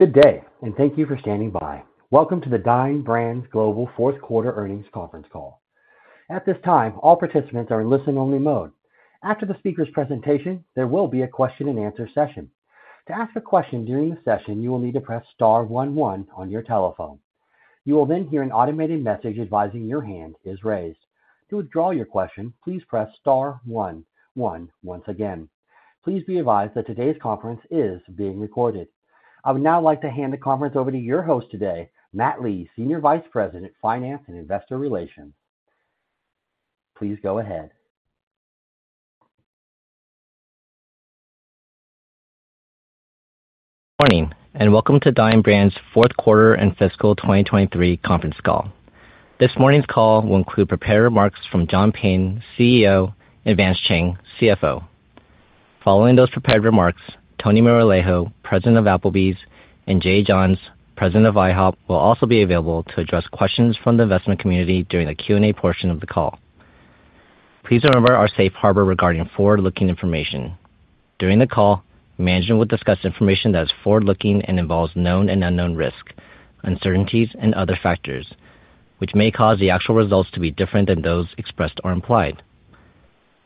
Good day, and thank you for standing by. Welcome to the Dine Brands Global Fourth Quarter Earnings Conference Call. At this time, all participants are in listen-only mode. After the speaker's presentation, there will be a question-and-answer session. To ask a question during the session, you will need to press star one one on your telephone. You will then hear an automated message advising your hand is raised. To withdraw your question, please press star one one once again. Please be advised that today's conference is being recorded. I would now like to hand the conference over to your host today, Matt Lee, Senior Vice President, Finance and Investor Relations. Please go ahead. Good morning, and welcome to Dine Brands' Fourth Quarter and Fiscal 2023 Conference Call. This morning's call will include prepared remarks from John Peyton, CEO, and Vance Chang, CFO. Following those prepared remarks, Tony Moralejo, President of Applebee's, and Jay Johns, President of IHOP, will also be available to address questions from the investment community during the Q&A portion of the call. Please remember our safe harbor regarding forward-looking information. During the call, management will discuss information that is forward-looking and involves known and unknown risks, uncertainties, and other factors, which may cause the actual results to be different than those expressed or implied.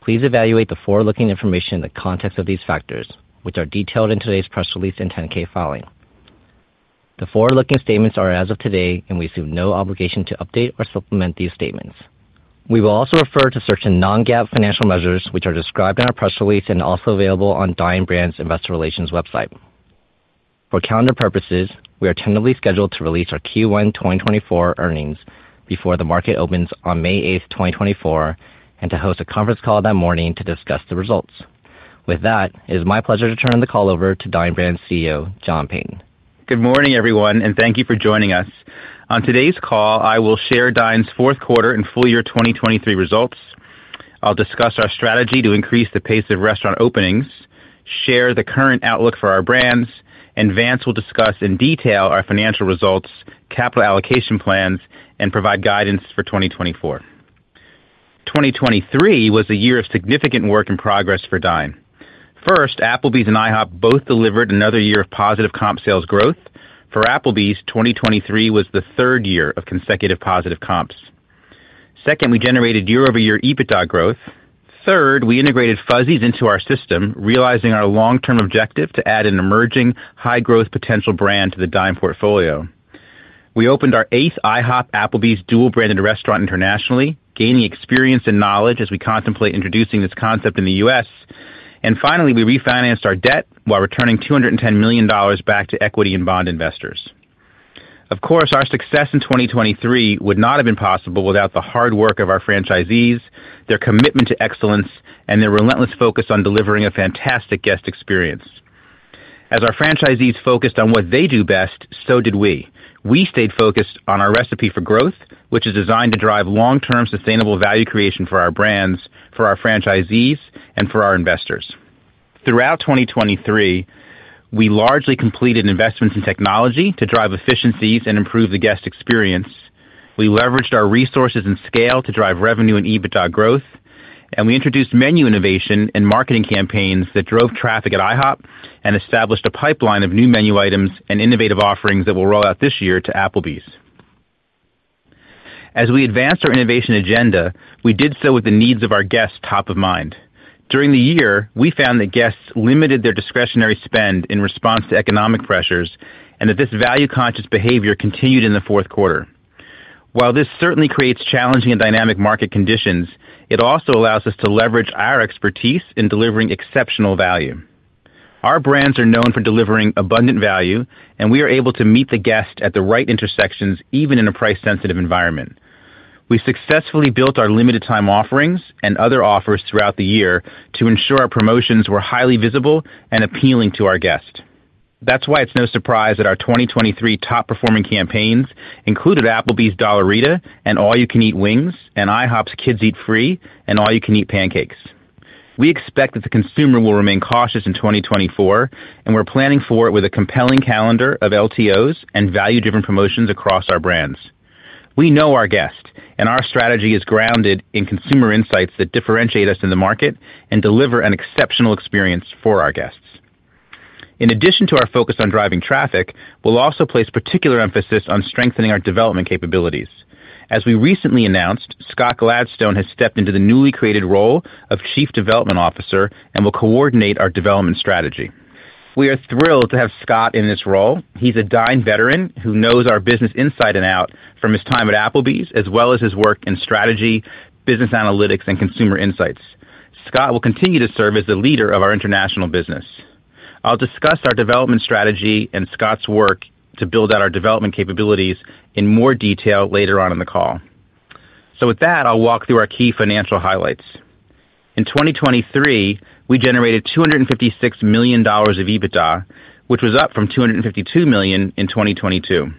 Please evaluate the forward-looking information in the context of these factors, which are detailed in today's press release and 10-K filing. The forward-looking statements are as of today, and we assume no obligation to update or supplement these statements. We will also refer to certain non-GAAP financial measures, which are described in our press release and also available on Dine Brands' Investor Relations website. For calendar purposes, we are tentatively scheduled to release our Q1 2024 earnings before the market opens on May 8, 2024, and to host a conference call that morning to discuss the results. With that, it is my pleasure to turn the call over to Dine Brands' CEO, John Peyton. Good morning, everyone, and thank you for joining us. On today's call, I will share Dine's Fourth Quarter and Full Year 2023 Results. I'll discuss our strategy to increase the pace of restaurant openings, share the current outlook for our brands, and Vance will discuss in detail our financial results, capital allocation plans, and provide guidance for 2024. 2023 was a year of significant work and progress for Dine. First, Applebee's and IHOP both delivered another year of positive comp sales growth. For Applebee's, 2023 was the third year of consecutive positive comps. Second, we generated year-over-year EBITDA growth. Third, we integrated Fuzzy's into our system, realizing our long-term objective to add an emerging, high-growth potential brand to the Dine portfolio. We opened our eighth IHOP-Applebee's dual-branded restaurant internationally, gaining experience and knowledge as we contemplate introducing this concept in the U.S. Finally, we refinanced our debt while returning $210 million back to equity and bond investors. Of course, our success in 2023 would not have been possible without the hard work of our franchisees, their commitment to excellence, and their relentless focus on delivering a fantastic guest experience. As our franchisees focused on what they do best, so did we. We stayed focused on our recipe for growth, which is designed to drive long-term sustainable value creation for our brands, for our franchisees, and for our investors. Throughout 2023, we largely completed investments in technology to drive efficiencies and improve the guest experience. We leveraged our resources and scale to drive revenue and EBITDA growth, and we introduced menu innovation and marketing campaigns that drove traffic at IHOP and established a pipeline of new menu items and innovative offerings that will roll out this year to Applebee's. As we advanced our innovation agenda, we did so with the needs of our guests top of mind. During the year, we found that guests limited their discretionary spend in response to economic pressures and that this value-conscious behavior continued in the fourth quarter. While this certainly creates challenging and dynamic market conditions, it also allows us to leverage our expertise in delivering exceptional value. Our brands are known for delivering abundant value, and we are able to meet the guest at the right intersections, even in a price-sensitive environment. We successfully built our limited time offerings and other offers throughout the year to ensure our promotions were highly visible and appealing to our guests. That's why it's no surprise that our 2023 top-performing campaigns included Applebee's Dollarita and All-You-Can-Eat Wings and IHOP's Kids Eat Free and All-You-Can-Eat Pancakes. We expect that the consumer will remain cautious in 2024, and we're planning for it with a compelling calendar of LTOs and value-different promotions across our brands. We know our guests, and our strategy is grounded in consumer insights that differentiate us in the market and deliver an exceptional experience for our guests. In addition to our focus on driving traffic, we'll also place particular emphasis on strengthening our development capabilities. As we recently announced, Scott Gladstone has stepped into the newly created role of Chief Development Officer and will coordinate our development strategy. We are thrilled to have Scott in this role. He's a Dine veteran who knows our business inside and out from his time at Applebee's, as well as his work in strategy, business analytics, and consumer insights. Scott will continue to serve as the leader of our international business. I'll discuss our development strategy and Scott's work to build out our development capabilities in more detail later on in the call. With that, I'll walk through our key financial highlights. In 2023, we generated $256 million of EBITDA, which was up from $252 million in 2022.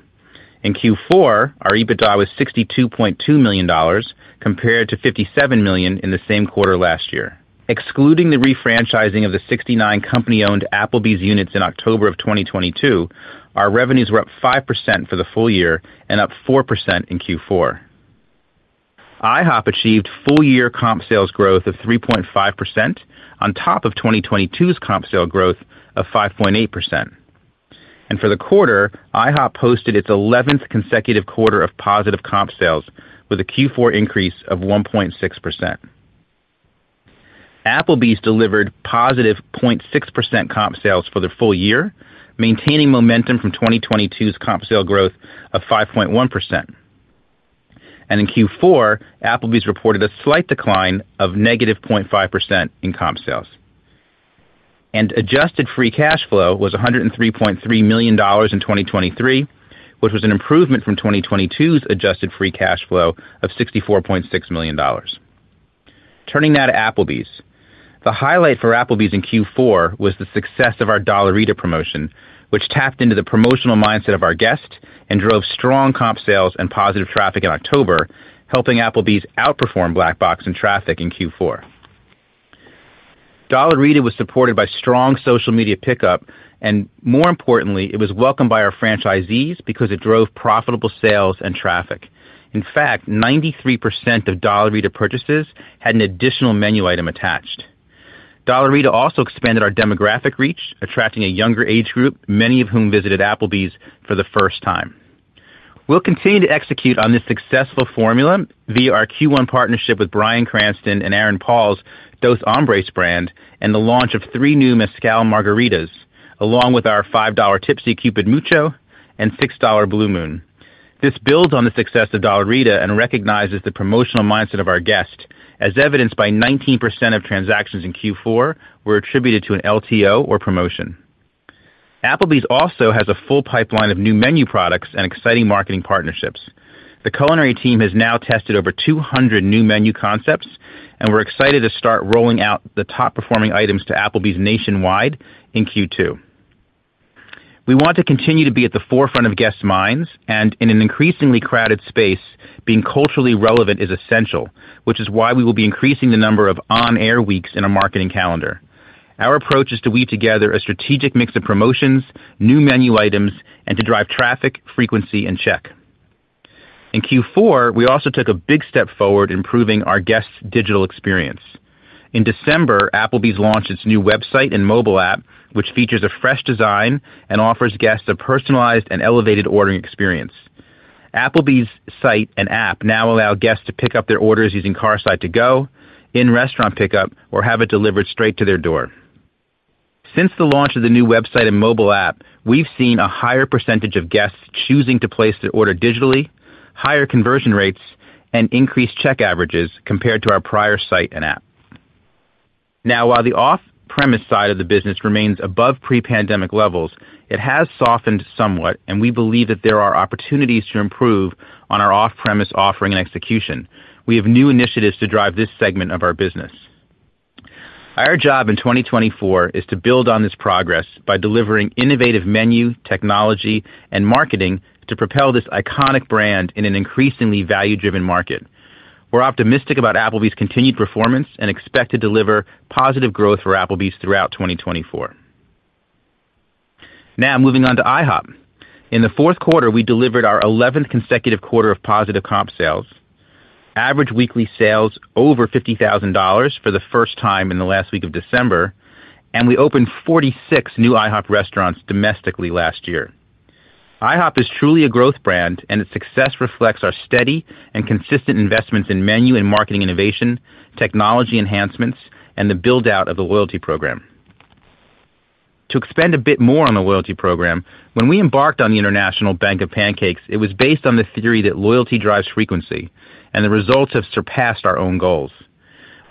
In Q4, our EBITDA was $62.2 million, compared to $57 million in the same quarter last year. Excluding the refranchising of the 69 company-owned Applebee's units in October of 2022, our revenues were up 5% for the full year and up 4% in Q4. IHOP achieved full year comp sales growth of 3.5% on top of 2022's comp sale growth of 5.8%. And for the quarter, IHOP posted its eleventh consecutive quarter of positive comp sales with a Q4 increase of 1.6%. Applebee's delivered positive 0.6% comp sales for the full year, maintaining momentum from 2022's comp sale growth of 5.1%. And in Q4, Applebee's reported a slight decline of -0.5% in comp sales. Adjusted free cash flow was $103.3 million in 2023, which was an improvement from 2022's adjusted free cash flow of $64.6 million. Turning now to Applebee's. The highlight for Applebee's in Q4 was the success of our Dollarita promotion, which tapped into the promotional mindset of our guests and drove strong comp sales and positive traffic in October, helping Applebee's outperform Black Box in traffic in Q4. Dollarita was supported by strong social media pickup, and more importantly, it was welcomed by our franchisees because it drove profitable sales and traffic. In fact, 93% of Dollarita purchases had an additional menu item attached. Dollarita also expanded our demographic reach, attracting a younger age group, many of whom visited Applebee's for the first time. We'll continue to execute on this successful formula via our Q1 partnership with Bryan Cranston and Aaron Paul's Dos Hombres brand, and the launch of 3 new Mezcal Margaritas, along with our $5 Tipsy Cupid Mucho and $6 Blue Moon. This builds on the success of Dollarita and recognizes the promotional mindset of our guests, as evidenced by 19% of transactions in Q4 were attributed to an LTO or promotion. Applebee's also has a full pipeline of new menu products and exciting marketing partnerships. The culinary team has now tested over 200 new menu concepts, and we're excited to start rolling out the top-performing items to Applebee's nationwide in Q2. We want to continue to be at the forefront of guests' minds, and in an increasingly crowded space, being culturally relevant is essential, which is why we will be increasing the number of on-air weeks in our marketing calendar. Our approach is to weave together a strategic mix of promotions, new menu items, and to drive traffic, frequency, and check. In Q4, we also took a big step forward in improving our guests' digital experience. In December, Applebee's launched its new website and mobile app, which features a fresh design and offers guests a personalized and elevated ordering experience. Applebee's site and app now allow guests to pick up their orders using Carside to go, in-restaurant pickup, or have it delivered straight to their door. Since the launch of the new website and mobile app, we've seen a higher percentage of guests choosing to place their order digitally, higher conversion rates, and increased check averages compared to our prior site and app. Now, while the off-premise side of the business remains above pre-pandemic levels, it has softened somewhat, and we believe that there are opportunities to improve on our off-premise offering and execution. We have new initiatives to drive this segment of our business. Our job in 2024 is to build on this progress by delivering innovative menu, technology, and marketing to propel this iconic brand in an increasingly value-driven market. We're optimistic about Applebee's continued performance and expect to deliver positive growth for Applebee's throughout 2024. Now, moving on to IHOP. In the fourth quarter, we delivered our 11th consecutive quarter of positive comp sales, average weekly sales over $50,000 for the first time in the last week of December, and we opened 46 new IHOP restaurants domestically last year. IHOP is truly a growth brand, and its success reflects our steady and consistent investments in menu and marketing innovation, technology enhancements, and the build-out of the loyalty program. To expand a bit more on the loyalty program, when we embarked on the International Bank of Pancakes, it was based on the theory that loyalty drives frequency, and the results have surpassed our own goals.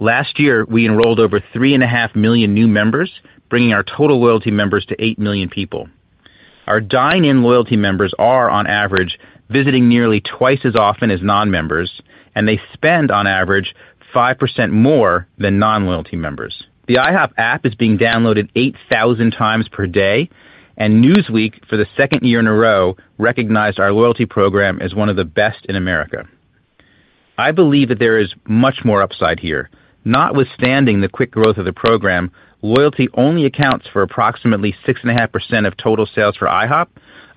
Last year, we enrolled over 3.5 million new members, bringing our total loyalty members to 8 million people. Our dine-in loyalty members are, on average, visiting nearly twice as often as non-members, and they spend, on average, 5% more than non-loyalty members. The IHOP app is being downloaded 8,000x per day, and Newsweek, for the second year in a row, recognized our loyalty program as one of the best in America. I believe that there is much more upside here. Notwithstanding the quick growth of the program, loyalty only accounts for approximately 6.5% of total sales for IHOP,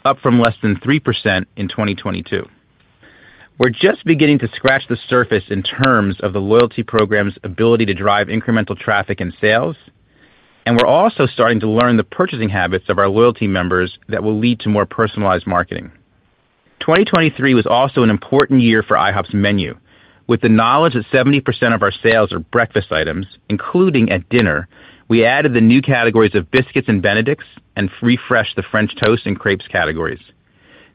up from less than 3% in 2022. We're just beginning to scratch the surface in terms of the loyalty program's ability to drive incremental traffic and sales, and we're also starting to learn the purchasing habits of our loyalty members that will lead to more personalized marketing. 2023 was also an important year for IHOP's menu. With the knowledge that 70% of our sales are breakfast items, including at dinner, we added the new categories of biscuits and benedicts and refreshed the French toast and crepes categories.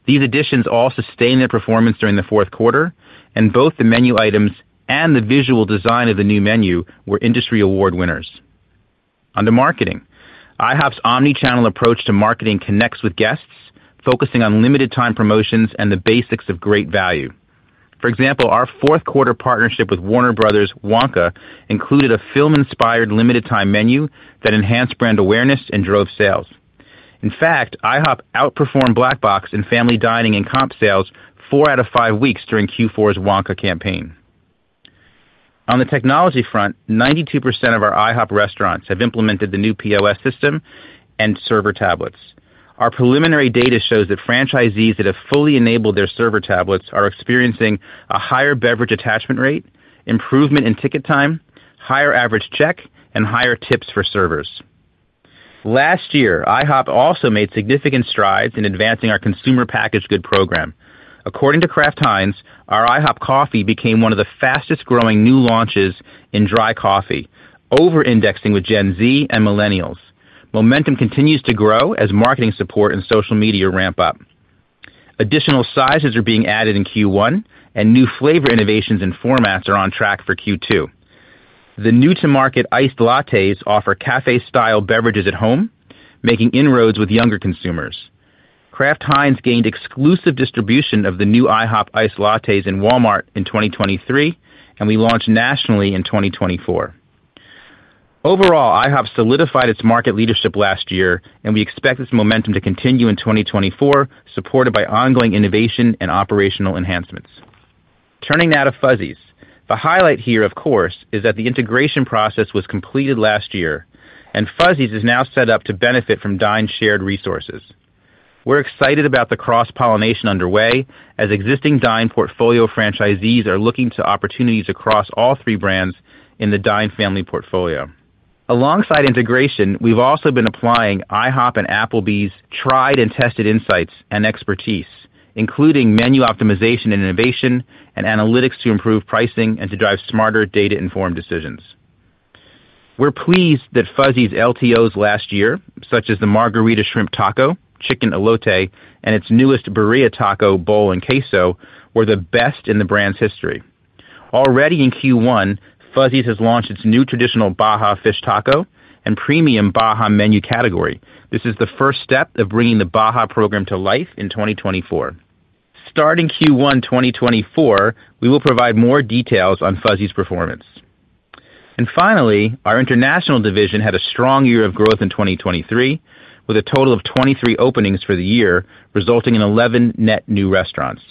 These additions all sustained their performance during the fourth quarter, and both the menu items and the visual design of the new menu were industry award winners. On to marketing. IHOP's omni-channel approach to marketing connects with guests, focusing on limited time promotions and the basics of great value. For example, our fourth quarter partnership with Warner Bros., Wonka, included a film-inspired limited time menu that enhanced brand awareness and drove sales. In fact, IHOP outperformed Black Box in family dining and comp sales 4 out of 5 weeks during Q4's Wonka campaign. On the technology front, 92% of our IHOP restaurants have implemented the new POS system and server tablets. Our preliminary data shows that franchisees that have fully enabled their server tablets are experiencing a higher beverage attachment rate, improvement in ticket time, higher average check, and higher tips for servers. Last year, IHOP also made significant strides in advancing our consumer packaged goods program. According to Kraft Heinz, our IHOP coffee became one of the fastest-growing new launches in dry coffee, over-indexing with Gen Z and millennials. Momentum continues to grow as marketing support and social media ramp up. Additional sizes are being added in Q1, and new flavor innovations and formats are on track for Q2. The new-to-market iced lattes offer cafe-style beverages at home, making inroads with younger consumers. Kraft Heinz gained exclusive distribution of the new IHOP iced lattes in Walmart in 2023, and we launch nationally in 2024. Overall, IHOP solidified its market leadership last year, and we expect this momentum to continue in 2024, supported by ongoing innovation and operational enhancements. Turning now to Fuzzy's. The highlight here, of course, is that the integration process was completed last year, and Fuzzy's is now set up to benefit from Dine's shared resources. We're excited about the cross-pollination underway as existing Dine portfolio franchisees are looking to opportunities across all three brands in the Dine family portfolio. Alongside integration, we've also been applying IHOP and Applebee's tried and tested insights and expertise, including menu optimization and innovation and analytics, to improve pricing and to drive smarter, data-informed decisions. We're pleased that Fuzzy's LTOs last year, such as the Margarita Shrimp Taco, Chicken Elote, and its newest Birria Taco Bowl and Queso, were the best in the brand's history. Already in Q1, Fuzzy's has launched its new traditional Baja Fish Taco and premium Baja menu category. This is the first step of bringing the Baja program to life in 2024. Starting Q1 2024, we will provide more details on Fuzzy's performance. Finally, our international division had a strong year of growth in 2023, with a total of 23 openings for the year, resulting in 11 net new restaurants.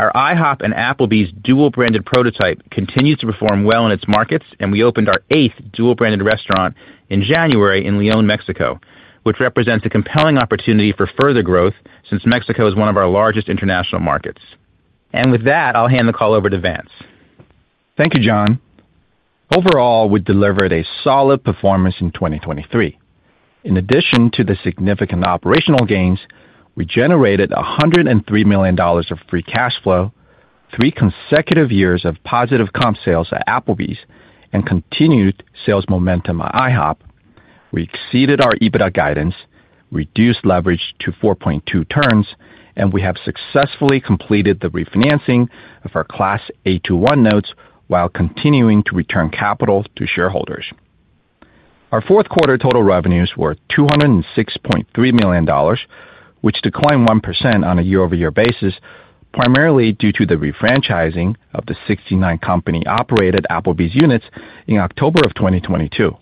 Our IHOP and Applebee's dual-branded prototype continues to perform well in its markets, and we opened our eighth dual-branded restaurant in January in León, Mexico, which represents a compelling opportunity for further growth since Mexico is one of our largest international markets. With that, I'll hand the call over to Vance. Thank you, John. Overall, we delivered a solid performance in 2023. In addition to the significant operational gains, we generated $103 million of free cash flow, three consecutive years of positive comp sales at Applebee's, and continued sales momentum at IHOP. We exceeded our EBITDA guidance, reduced leverage to 4.2 turns, and we have successfully completed the refinancing of our Class A2-1 notes while continuing to return capital to shareholders. Our fourth quarter total revenues were $206.3 million, which declined 1% on a year-over-year basis, primarily due to the refranchising of the 69 company-operated Applebee's units in October of 2022.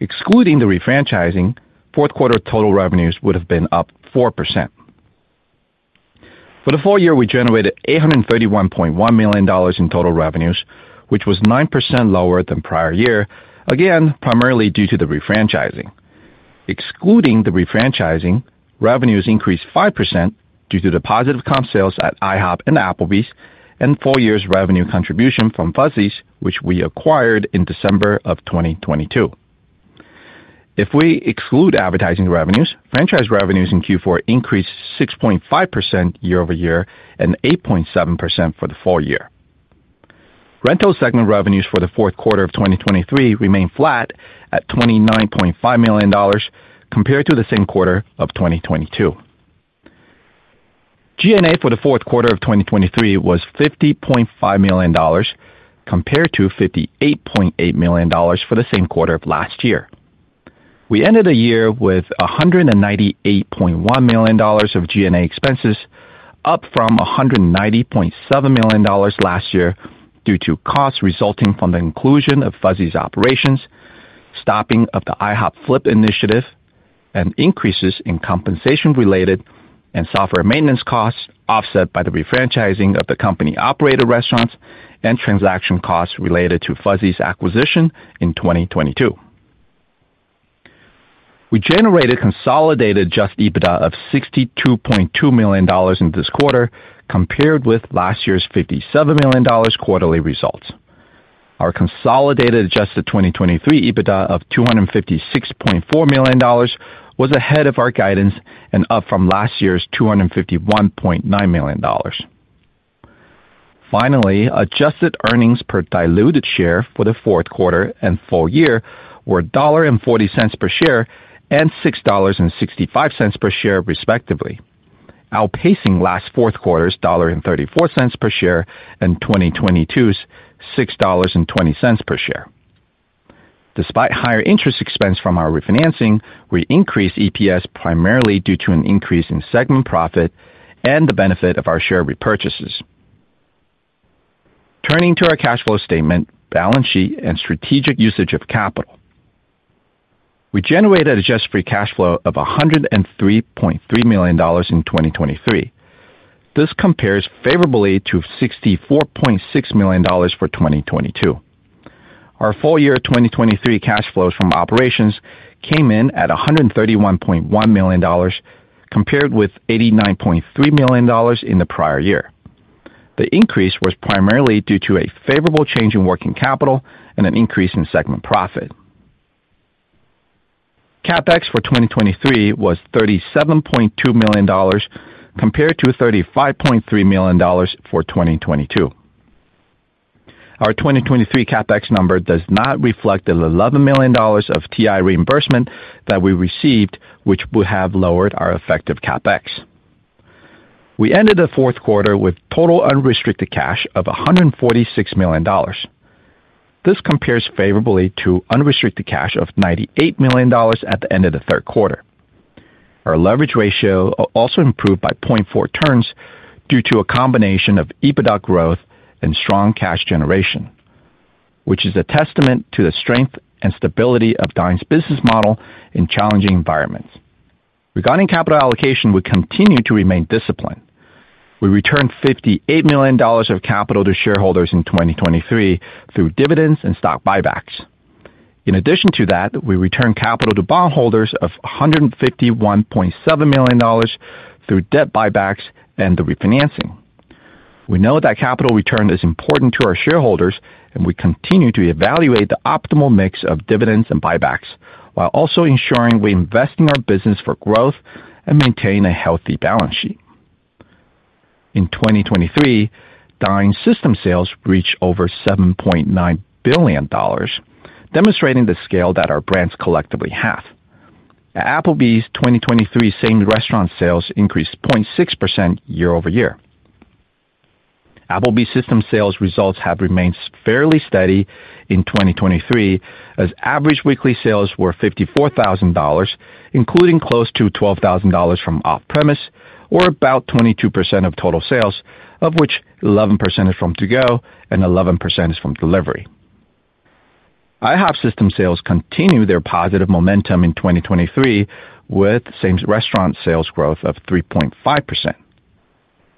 Excluding the refranchising, fourth quarter total revenues would have been up 4%. For the full year, we generated $831.1 million in total revenues, which was 9% lower than prior year, again, primarily due to the refranchising. Excluding the refranchising, revenues increased 5% due to the positive comp sales at IHOP and Applebee's and full year's revenue contribution from Fuzzy's, which we acquired in December of 2022. If we exclude advertising revenues, franchise revenues in Q4 increased 6.5% year-over-year and 8.7% for the full year. Rental segment revenues for the fourth quarter of 2023 remained flat at $29.5 million compared to the same quarter of 2022. G&A for the fourth quarter of 2023 was $50.5 million, compared to $58.8 million for the same quarter of last year. We ended the year with $198.1 million of G&A expenses, up from $190.7 million last year due to costs resulting from the inclusion of Fuzzy's operations, stopping of the IHOP Flip'd initiative, and increases in compensation-related and software maintenance costs, offset by the refranchising of the company-operated restaurants and transaction costs related to Fuzzy's acquisition in 2022. We generated consolidated adjusted EBITDA of $62.2 million in this quarter, compared with last year's $57 million quarterly results. Our consolidated adjusted 2023 EBITDA of $256.4 million was ahead of our guidance and up from last year's $251.9 million. Finally, adjusted earnings per diluted share for the fourth quarter and full year were $1.40 per share and $6.65 per share, respectively, outpacing the fourth quarter's $1.34 per share and 2022's $6.20 per share. Despite higher interest expense from our refinancing, we increased EPS primarily due to an increase in segment profit and the benefit of our share repurchases. Turning to our cash flow statement, balance sheet, and strategic usage of capital.... We generated adjusted free cash flow of $103.3 million in 2023. This compares favorably to $64.6 million for 2022. Our full-year 2023 cash flows from operations came in at $131.1 million, compared with $89.3 million in the prior year. The increase was primarily due to a favorable change in working capital and an increase in segment profit. CapEx for 2023 was $37.2 million, compared to $35.3 million for 2022. Our 2023 CapEx number does not reflect the $11 million of TI reimbursement that we received, which would have lowered our effective CapEx. We ended the fourth quarter with total unrestricted cash of $146 million. This compares favorably to unrestricted cash of $98 million at the end of the third quarter. Our leverage ratio also improved by 0.4 turns due to a combination of EBITDA growth and strong cash generation, which is a testament to the strength and stability of Dine's business model in challenging environments. Regarding capital allocation, we continue to remain disciplined. We returned $58 million of capital to shareholders in 2023 through dividends and stock buybacks. In addition to that, we returned capital to bondholders of $151.7 million through debt buybacks and the refinancing. We know that capital return is important to our shareholders, and we continue to evaluate the optimal mix of dividends and buybacks, while also ensuring we invest in our business for growth and maintain a healthy balance sheet. In 2023, Dine system sales reached over $7.9 billion, demonstrating the scale that our brands collectively have. Applebee's 2023 same restaurant sales increased 0.6% year-over-year. Applebee's system sales results have remained fairly steady in 2023, as average weekly sales were $54,000, including close to $12,000 from off-premise, or about 22% of total sales, of which 11% is from to-go and 11% is from delivery. IHOP system sales continued their positive momentum in 2023, with same-restaurant sales growth of 3.5%.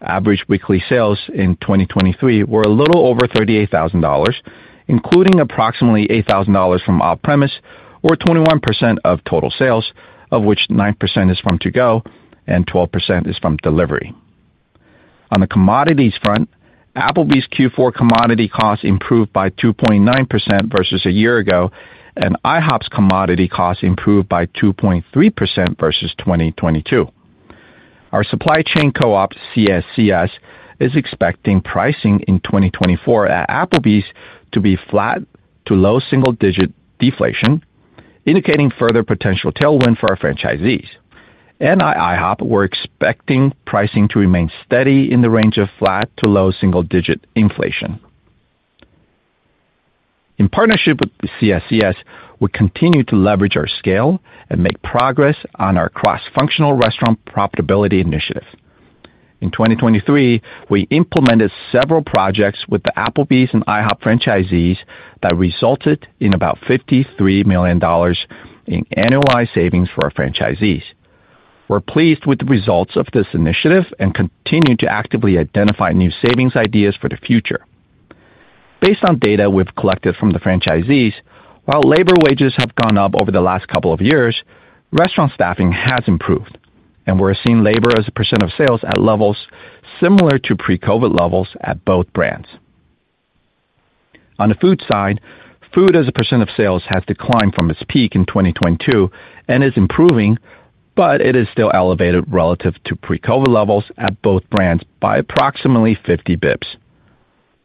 Average weekly sales in 2023 were a little over $38,000, including approximately $8,000 from off-premise or 21% of total sales, of which 9% is from to-go and 12% is from delivery. On the commodities front, Applebee's Q4 commodity costs improved by 2.9% versus a year ago, and IHOP's commodity costs improved by 2.3% versus 2022. Our supply chain co-op, CSCS, is expecting pricing in 2024 at Applebee's to be flat to low single-digit deflation, indicating further potential tailwind for our franchisees. At IHOP, we're expecting pricing to remain steady in the range of flat to low single-digit inflation. In partnership with the CSCS, we continue to leverage our scale and make progress on our cross-functional restaurant profitability initiative. In 2023, we implemented several projects with the Applebee's and IHOP franchisees that resulted in about $53 million in NOI savings for our franchisees. We're pleased with the results of this initiative and continue to actively identify new savings ideas for the future. Based on data we've collected from the franchisees, while labor wages have gone up over the last couple of years, restaurant staffing has improved, and we're seeing labor as a % of sales at levels similar to pre-COVID levels at both brands. On the food side, food as a % of sales has declined from its peak in 2022 and is improving, but it is still elevated relative to pre-COVID levels at both brands by approximately 50 basis points.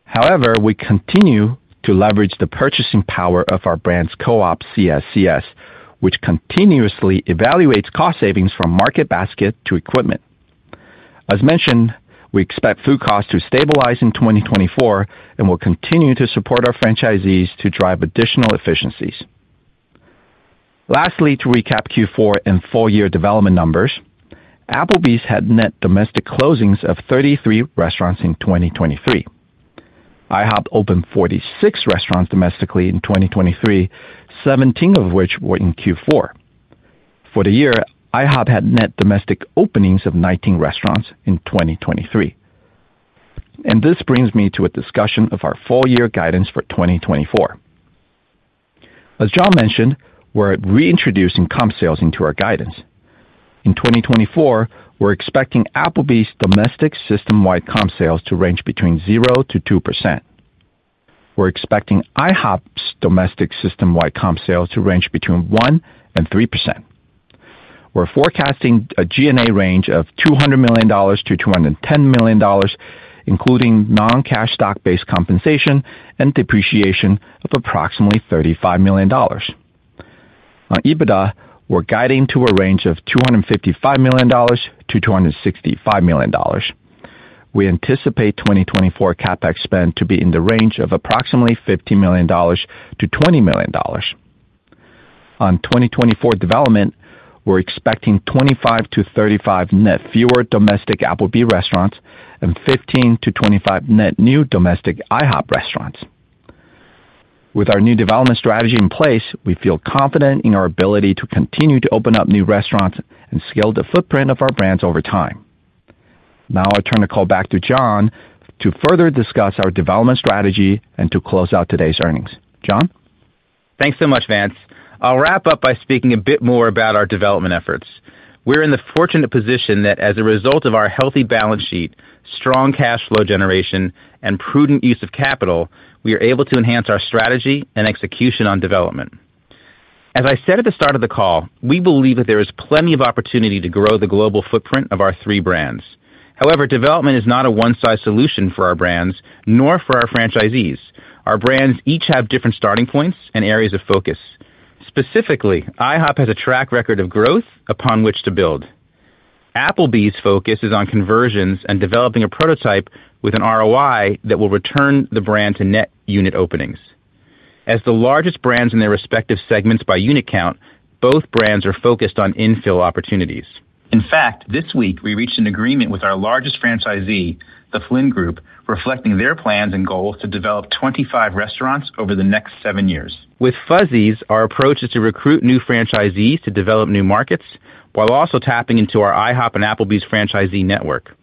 However, we continue to leverage the purchasing power of our brand's co-op, CSCS, which continuously evaluates cost savings from market basket to equipment. As mentioned, we expect food costs to stabilize in 2024, and we'll continue to support our franchisees to drive additional efficiencies. Lastly, to recap Q4 and full-year development numbers, Applebee's had net domestic closings of 33 restaurants in 2023. IHOP opened 46 restaurants domestically in 2023, 17 of which were in Q4. For the year, IHOP had net domestic openings of 19 restaurants in 2023. This brings me to a discussion of our full year guidance for 2024. As John mentioned, we're reintroducing comp sales into our guidance. In 2024, we're expecting Applebee's domestic system-wide comp sales to range between 0%-2%. We're expecting IHOP's domestic system-wide comp sales to range between 1%-3%. We're forecasting a G&A range of $200 million to $210 million, including non-cash stock-based compensation and depreciation of approximately $35 million. On EBITDA, we're guiding to a range of $255 million to $265 million. We anticipate 2024 CapEx spend to be in the range of approximately $50 million to $20 million. On 2024 development, we're expecting 25-35 net fewer domestic Applebee's restaurants and 15-25 net new domestic IHOP restaurants. With our new development strategy in place, we feel confident in our ability to continue to open up new restaurants and scale the footprint of our brands over time. Now, I turn the call back to John to further discuss our development strategy and to close out today's earnings. John? Thanks so much, Vance. I'll wrap up by speaking a bit more about our development efforts. We're in the fortunate position that as a result of our healthy balance sheet, strong cash flow generation, and prudent use of capital, we are able to enhance our strategy and execution on development. As I said at the start of the call, we believe that there is plenty of opportunity to grow the global footprint of our three brands. However, development is not a one-size solution for our brands, nor for our franchisees. Our brands each have different starting points and areas of focus. Specifically, IHOP has a track record of growth upon which to build. Applebee's focus is on conversions and developing a prototype with an ROI that will return the brand to net unit openings. As the largest brands in their respective segments by unit count, both brands are focused on infill opportunities. In fact, this week, we reached an agreement with our largest franchisee, the Flynn Group, reflecting their plans and goals to develop 25 restaurants over the next seven years. With Fuzzy's, our approach is to recruit new franchisees to develop new markets, while also tapping into our IHOP and Applebee's franchisee network.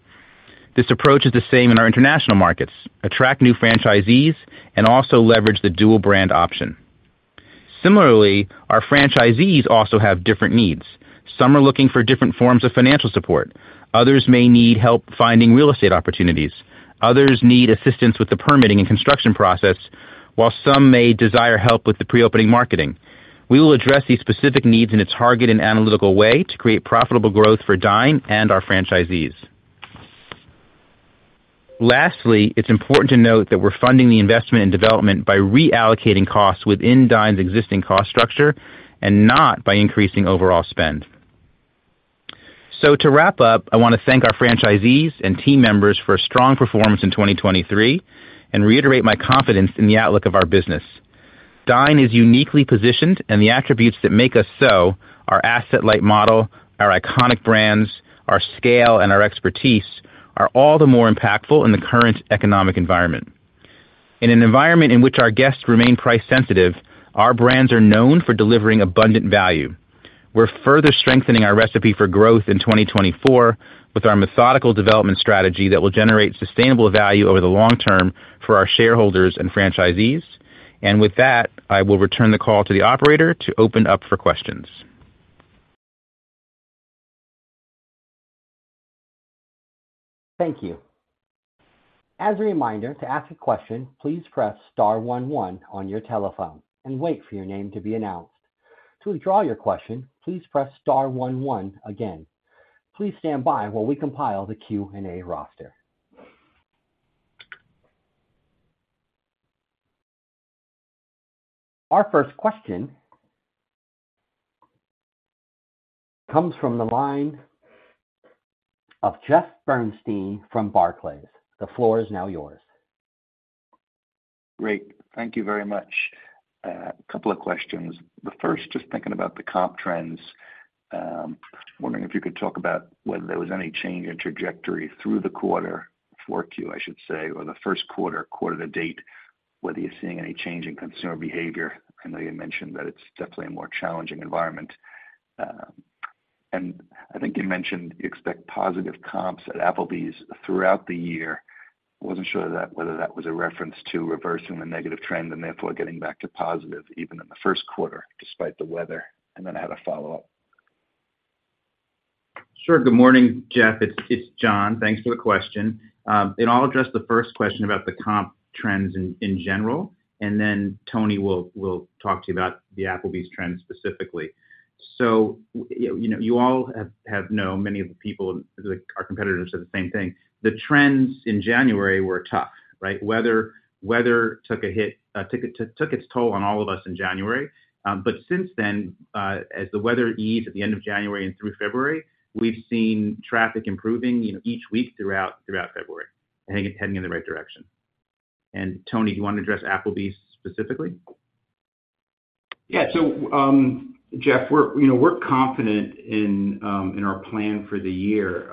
This approach is the same in our international markets: attract new franchisees and also leverage the dual brand option. Similarly, our franchisees also have different needs. Some are looking for different forms of financial support, others may need help finding real estate opportunities, others need assistance with the permitting and construction process, while some may desire help with the pre-opening marketing. We will address these specific needs in a targeted and analytical way to create profitable growth for Dine and our franchisees. Lastly, it's important to note that we're funding the investment in development by reallocating costs within Dine's existing cost structure and not by increasing overall spend. To wrap up, I want to thank our franchisees and team members for a strong performance in 2023 and reiterate my confidence in the outlook of our business. Dine is uniquely positioned, and the attributes that make us so, our asset-light model, our iconic brands, our scale, and our expertise, are all the more impactful in the current economic environment. In an environment in which our guests remain price sensitive, our brands are known for delivering abundant value. We're further strengthening our recipe for growth in 2024 with our methodical development strategy that will generate sustainable value over the long term for our shareholders and franchisees. With that, I will return the call to the operator to open up for questions. Thank you. As a reminder, to ask a question, please press star one one on your telephone and wait for your name to be announced. To withdraw your question, please press star one one again. Please stand by while we compile the Q&A roster. Our first question comes from the line of Jeff Bernstein from Barclays. The floor is now yours. Great. Thank you very much. A couple of questions. The first, just thinking about the comp trends, wondering if you could talk about whether there was any change in trajectory through the quarter, 4Q, I should say, or the first quarter, quarter to date, whether you're seeing any change in consumer behavior. I know you mentioned that it's definitely a more challenging environment. And I think you mentioned you expect positive comps at Applebee's throughout the year. I wasn't sure whether that was a reference to reversing the negative trend and therefore getting back to positive even in the first quarter, despite the weather. And then I have a follow-up. Sure. Good morning, Jeff. It's John. Thanks for the question. And I'll address the first question about the comp trends in general, and then Tony will talk to you about the Applebee's trends specifically. So you know, you all have known many of the people, like, our competitors said the same thing. The trends in January were tough, right? Weather took a hit, took its toll on all of us in January. But since then, as the weather eased at the end of January and through February, we've seen traffic improving, you know, each week throughout February, heading in the right direction. And Tony, do you want to address Applebee's specifically? Yeah. So, Jeff, we're, you know, we're confident in our plan for the year.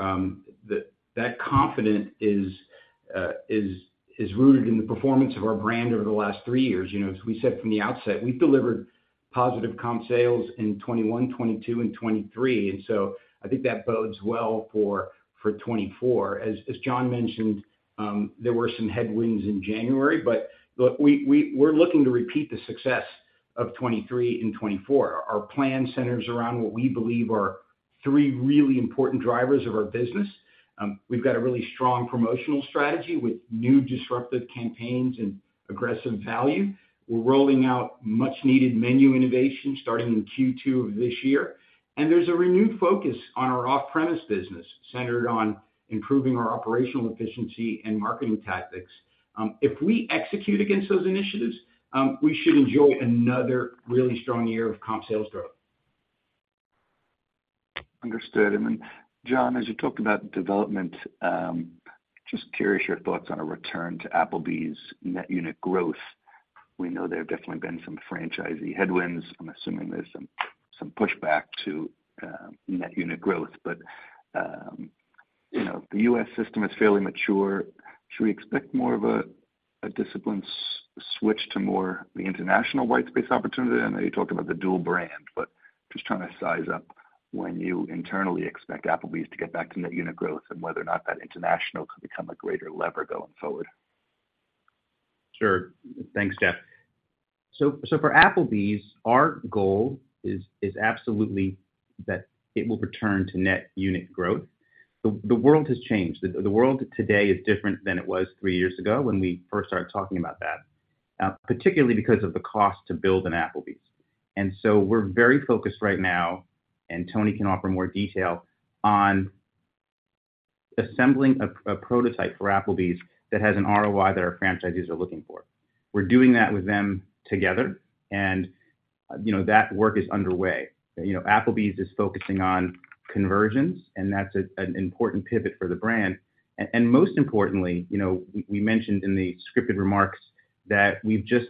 That confidence is rooted in the performance of our brand over the last three years. You know, as we said from the outset, we delivered positive comp sales in 2021, 2022, and 2023, and so I think that bodes well for 2024. As John mentioned, there were some headwinds in January, but look, we're looking to repeat the success of 2023 in 2024. Our plan centers around what we believe are three really important drivers of our business. We've got a really strong promotional strategy with new disruptive campaigns and aggressive value. We're rolling out much needed menu innovation starting in Q2 of this year, and there's a renewed focus on our off-premise business, centered on improving our operational efficiency and marketing tactics. If we execute against those initiatives, we should enjoy another really strong year of comp sales growth. Understood. Then, John, as you talk about development, just curious your thoughts on a return to Applebee's net unit growth. We know there have definitely been some franchisee headwinds. I'm assuming there's some pushback to net unit growth, but you know, the U.S. system is fairly mature. Should we expect more of a disciplined switch to more the international white space opportunity? I know you talked about the dual brand, but just trying to size up when you internally expect Applebee's to get back to net unit growth and whether or not that international could become a greater lever going forward. Sure. Thanks, Jeff. So for Applebee's, our goal is absolutely that it will return to net unit growth. The world has changed. The world today is different than it was three years ago when we first started talking about that, particularly because of the cost to build an Applebee's. And so we're very focused right now, and Tony can offer more detail, on assembling a prototype for Applebee's that has an ROI that our franchisees are looking for. We're doing that with them together, and, you know, that work is underway. You know, Applebee's is focusing on conversions, and that's an important pivot for the brand. And most importantly, you know, we mentioned in the scripted remarks that we've just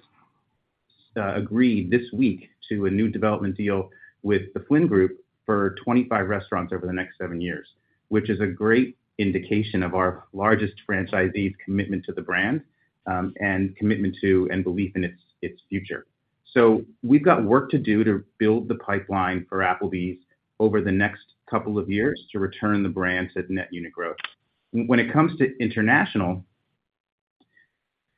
agreed this week to a new development deal with the Flynn Group for 25 restaurants over the next 7 years, which is a great indication of our largest franchisee's commitment to the brand and commitment to and belief in its future. So we've got work to do to build the pipeline for Applebee's over the next couple of years to return the brand to net unit growth. When it comes to international,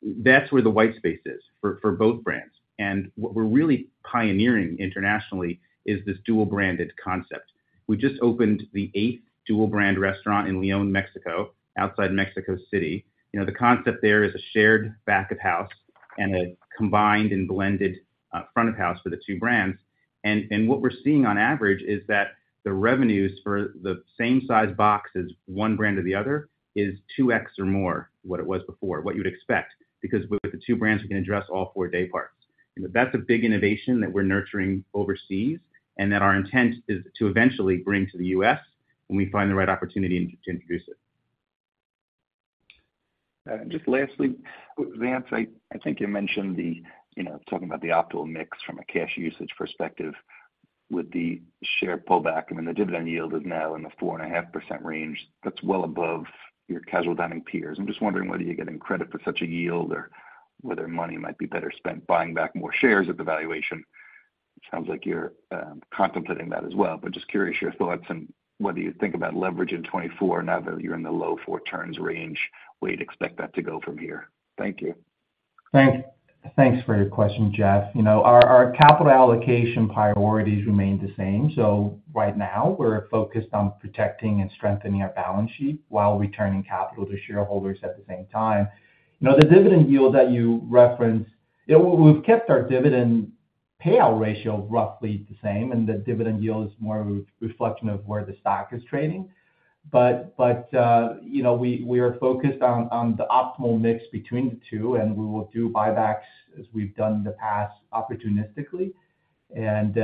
that's where the white space is for both brands. And what we're really pioneering internationally is this dual-branded concept. We just opened the 8th dual-brand restaurant in León, Mexico, outside Mexico City. You know, the concept there is a shared back of house and a combined and blended front of house for the two brands. And what we're seeing on average is that the revenues for the same size box as one brand or the other is 2x or more what it was before, what you'd expect, because with the two brands, we can address all four day parts. And that's a big innovation that we're nurturing overseas and that our intent is to eventually bring to the U.S. when we find the right opportunity into introduce it. Just lastly, Vance, I think you mentioned the, you know, talking about the optimal mix from a cash usage perspective with the share pullback. I mean, the dividend yield is now in the 4.5% range. That's well above your casual dining peers. I'm just wondering whether you're getting credit for such a yield, or whether money might be better spent buying back more shares at the valuation. It sounds like you're contemplating that as well, but just curious your thoughts on whether you think about leverage in 2024 now that you're in the low four turns range, where you'd expect that to go from here. Thank you. Thanks. Thanks for your question, Jeff. You know, our capital allocation priorities remain the same. So right now, we're focused on protecting and strengthening our balance sheet while returning capital to shareholders at the same time. You know, the dividend yield that you referenced, you know, we've kept our dividend payout ratio roughly the same, and the dividend yield is more a reflection of where the stock is trading. But, you know, we are focused on the optimal mix between the two, and we will do buybacks as we've done in the past, opportunistically. And,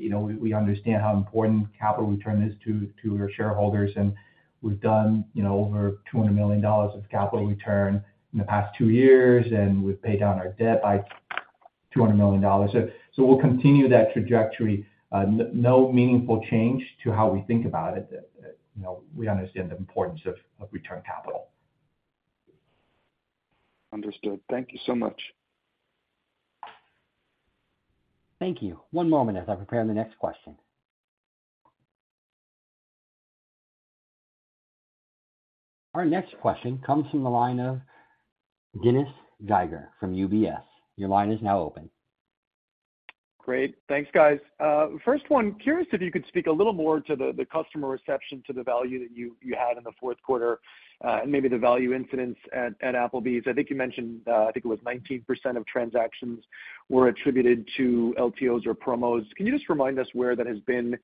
you know, we understand how important capital return is to our shareholders, and we've done, you know, over $200 million of capital return in the past two years, and we've paid down our debt by $200 million. So, we'll continue that trajectory. No meaningful change to how we think about it. You know, we understand the importance of return capital. Understood. Thank you so much. Thank you. One moment as I prepare the next question. Our next question comes from the line of Dennis Geiger from UBS. Your line is now open. Great. Thanks, guys. First one, curious if you could speak a little more to the customer reception to the value that you had in the fourth quarter, and maybe the value incentives at Applebee's. I think you mentioned, I think it was 19% of transactions were attributed to LTOs or promos. Can you just remind us where that has been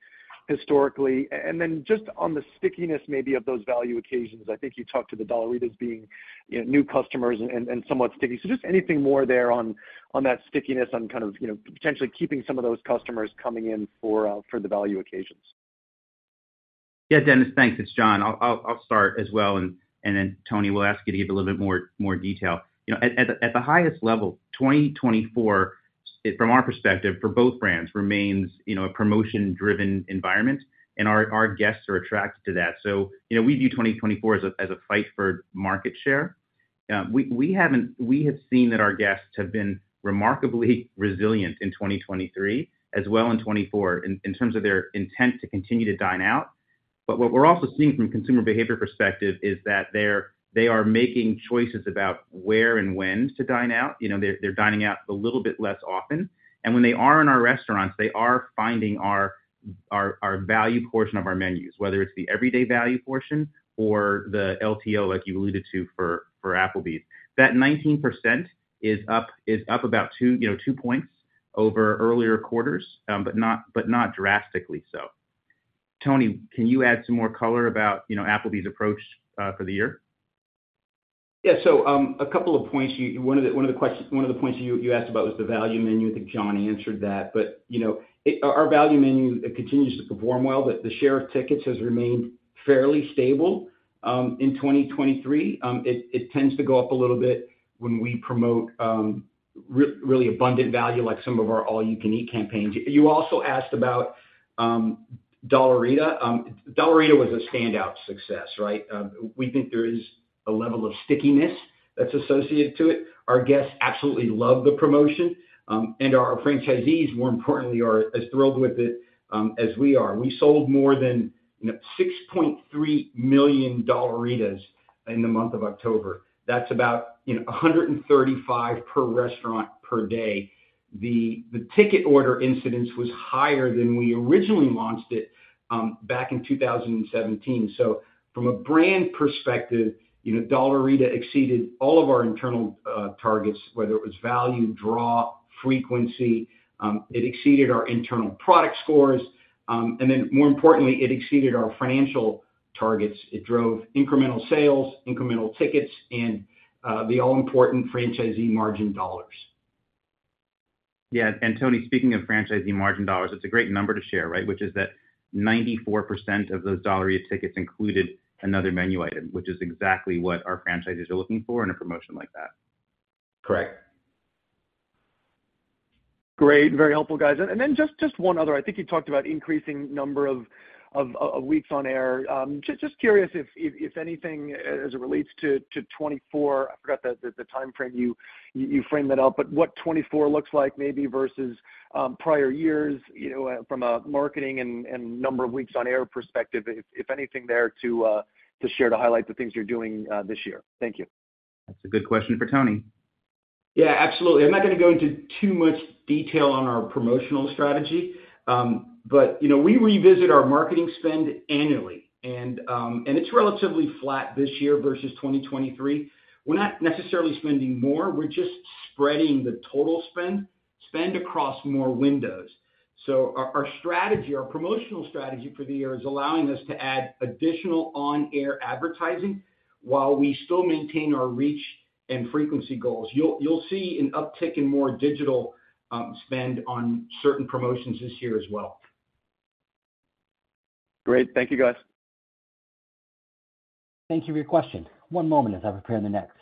historically? And then just on the stickiness maybe of those value occasions, I think you talked to the Dollaritas being, you know, new customers and somewhat sticky. So just anything more there on that stickiness on kind of, you know, potentially keeping some of those customers coming in for the value occasions. Yeah, Dennis, thanks. It's John. I'll start as well, and then Tony, we'll ask you to give a little bit more detail. You know, at the highest level, 2024, from our perspective, for both brands, remains, you know, a promotion-driven environment, and our guests are attracted to that. So, you know, we view 2024 as a fight for market share. We have seen that our guests have been remarkably resilient in 2023 as well in 2024, in terms of their intent to continue to dine out. But what we're also seeing from a consumer behavior perspective is that they're making choices about where and when to dine out. You know, they're dining out a little bit less often, and when they are in our restaurants, they are finding our value portion of our menus, whether it's the everyday value portion or the LTO, like you alluded to, for Applebee's. That 19% is up about two points over earlier quarters, but not drastically so. Tony, can you add some more color about, you know, Applebee's approach for the year? Yeah. So, a couple of points. One of the points you asked about was the value menu. I think John answered that. But, you know, our value menu continues to perform well, but the share of tickets has remained fairly stable in 2023. It tends to go up a little bit when we promote really abundant value, like some of our all-you-can-eat campaigns. You also asked about Dollarita. Dollarita was a standout success, right? We think there is a level of stickiness that's associated to it. Our guests absolutely love the promotion, and our franchisees, more importantly, are as thrilled with it as we are. We sold more than, you know, 6.3 million Dollaritas in the month of October. That's about, you know, 135 per restaurant per day. The ticket order incidence was higher than we originally launched it back in 2017. So from a brand perspective, you know, Dollarita exceeded all of our internal targets, whether it was value, draw, frequency. It exceeded our internal product scores. And then more importantly, it exceeded our financial targets. It drove incremental sales, incremental tickets, and the all-important franchisee margin dollars. Yeah, and Tony, speaking of franchisee margin dollars, it's a great number to share, right? Which is that 94% of those Dollarita tickets included another menu item, which is exactly what our franchisees are looking for in a promotion like that. Correct. Great. Very helpful, guys. Then just one other. I think you talked about increasing number of weeks on air. Just curious if anything, as it relates to 2024, I forgot the timeframe you framed that out, but what 2024 looks like maybe versus prior years, you know, from a marketing and number of weeks on air perspective, if anything there to share, to highlight the things you're doing this year. Thank you. That's a good question for Tony. Yeah, absolutely. I'm not going to go into too much detail on our promotional strategy. But, you know, we revisit our marketing spend annually, and, and it's relatively flat this year versus 2023. We're not necessarily spending more; we're just spreading the total spend, spend across more windows. So our, our strategy, our promotional strategy for the year is allowing us to add additional on-air advertising while we still maintain our reach and frequency goals. You'll, you'll see an uptick in more digital, spend on certain promotions this year as well. Great. Thank you, guys. Thank you for your question. One moment as I prepare the next.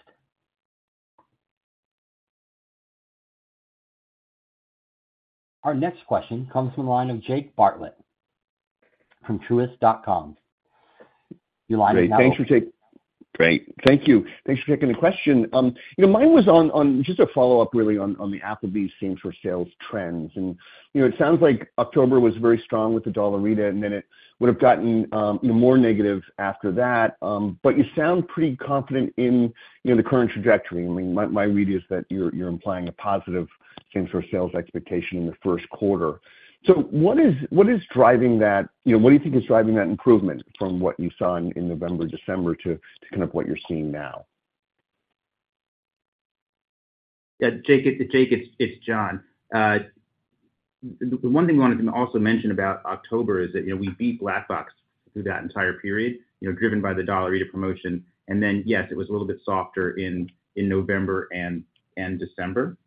Our next question comes from the line of Jake Bartlett from Truist. Your line is now open. Great. Thank you, Jake. Great. Thank you. Thanks for taking the question. You know, mine was on just a follow-up, really, on the Applebee's same-store sales trends. And you know, it sounds like October was very strong with the Dollarita, and then it would have gotten more negative after that. But you sound pretty confident in you know, the current trajectory. I mean, my read is that you're implying a positive same-store sales expectation in the first quarter. So what is driving that—you know, what do you think is driving that improvement from what you saw in November, December to kind of what you're seeing now? Yeah, Jake, Jake, it's John. The one thing I wanted to also mention about October is that, you know, we beat Black Box through that entire period, you know, driven by the Dollarita promotion, and then, yes, it was a little bit softer in November and December.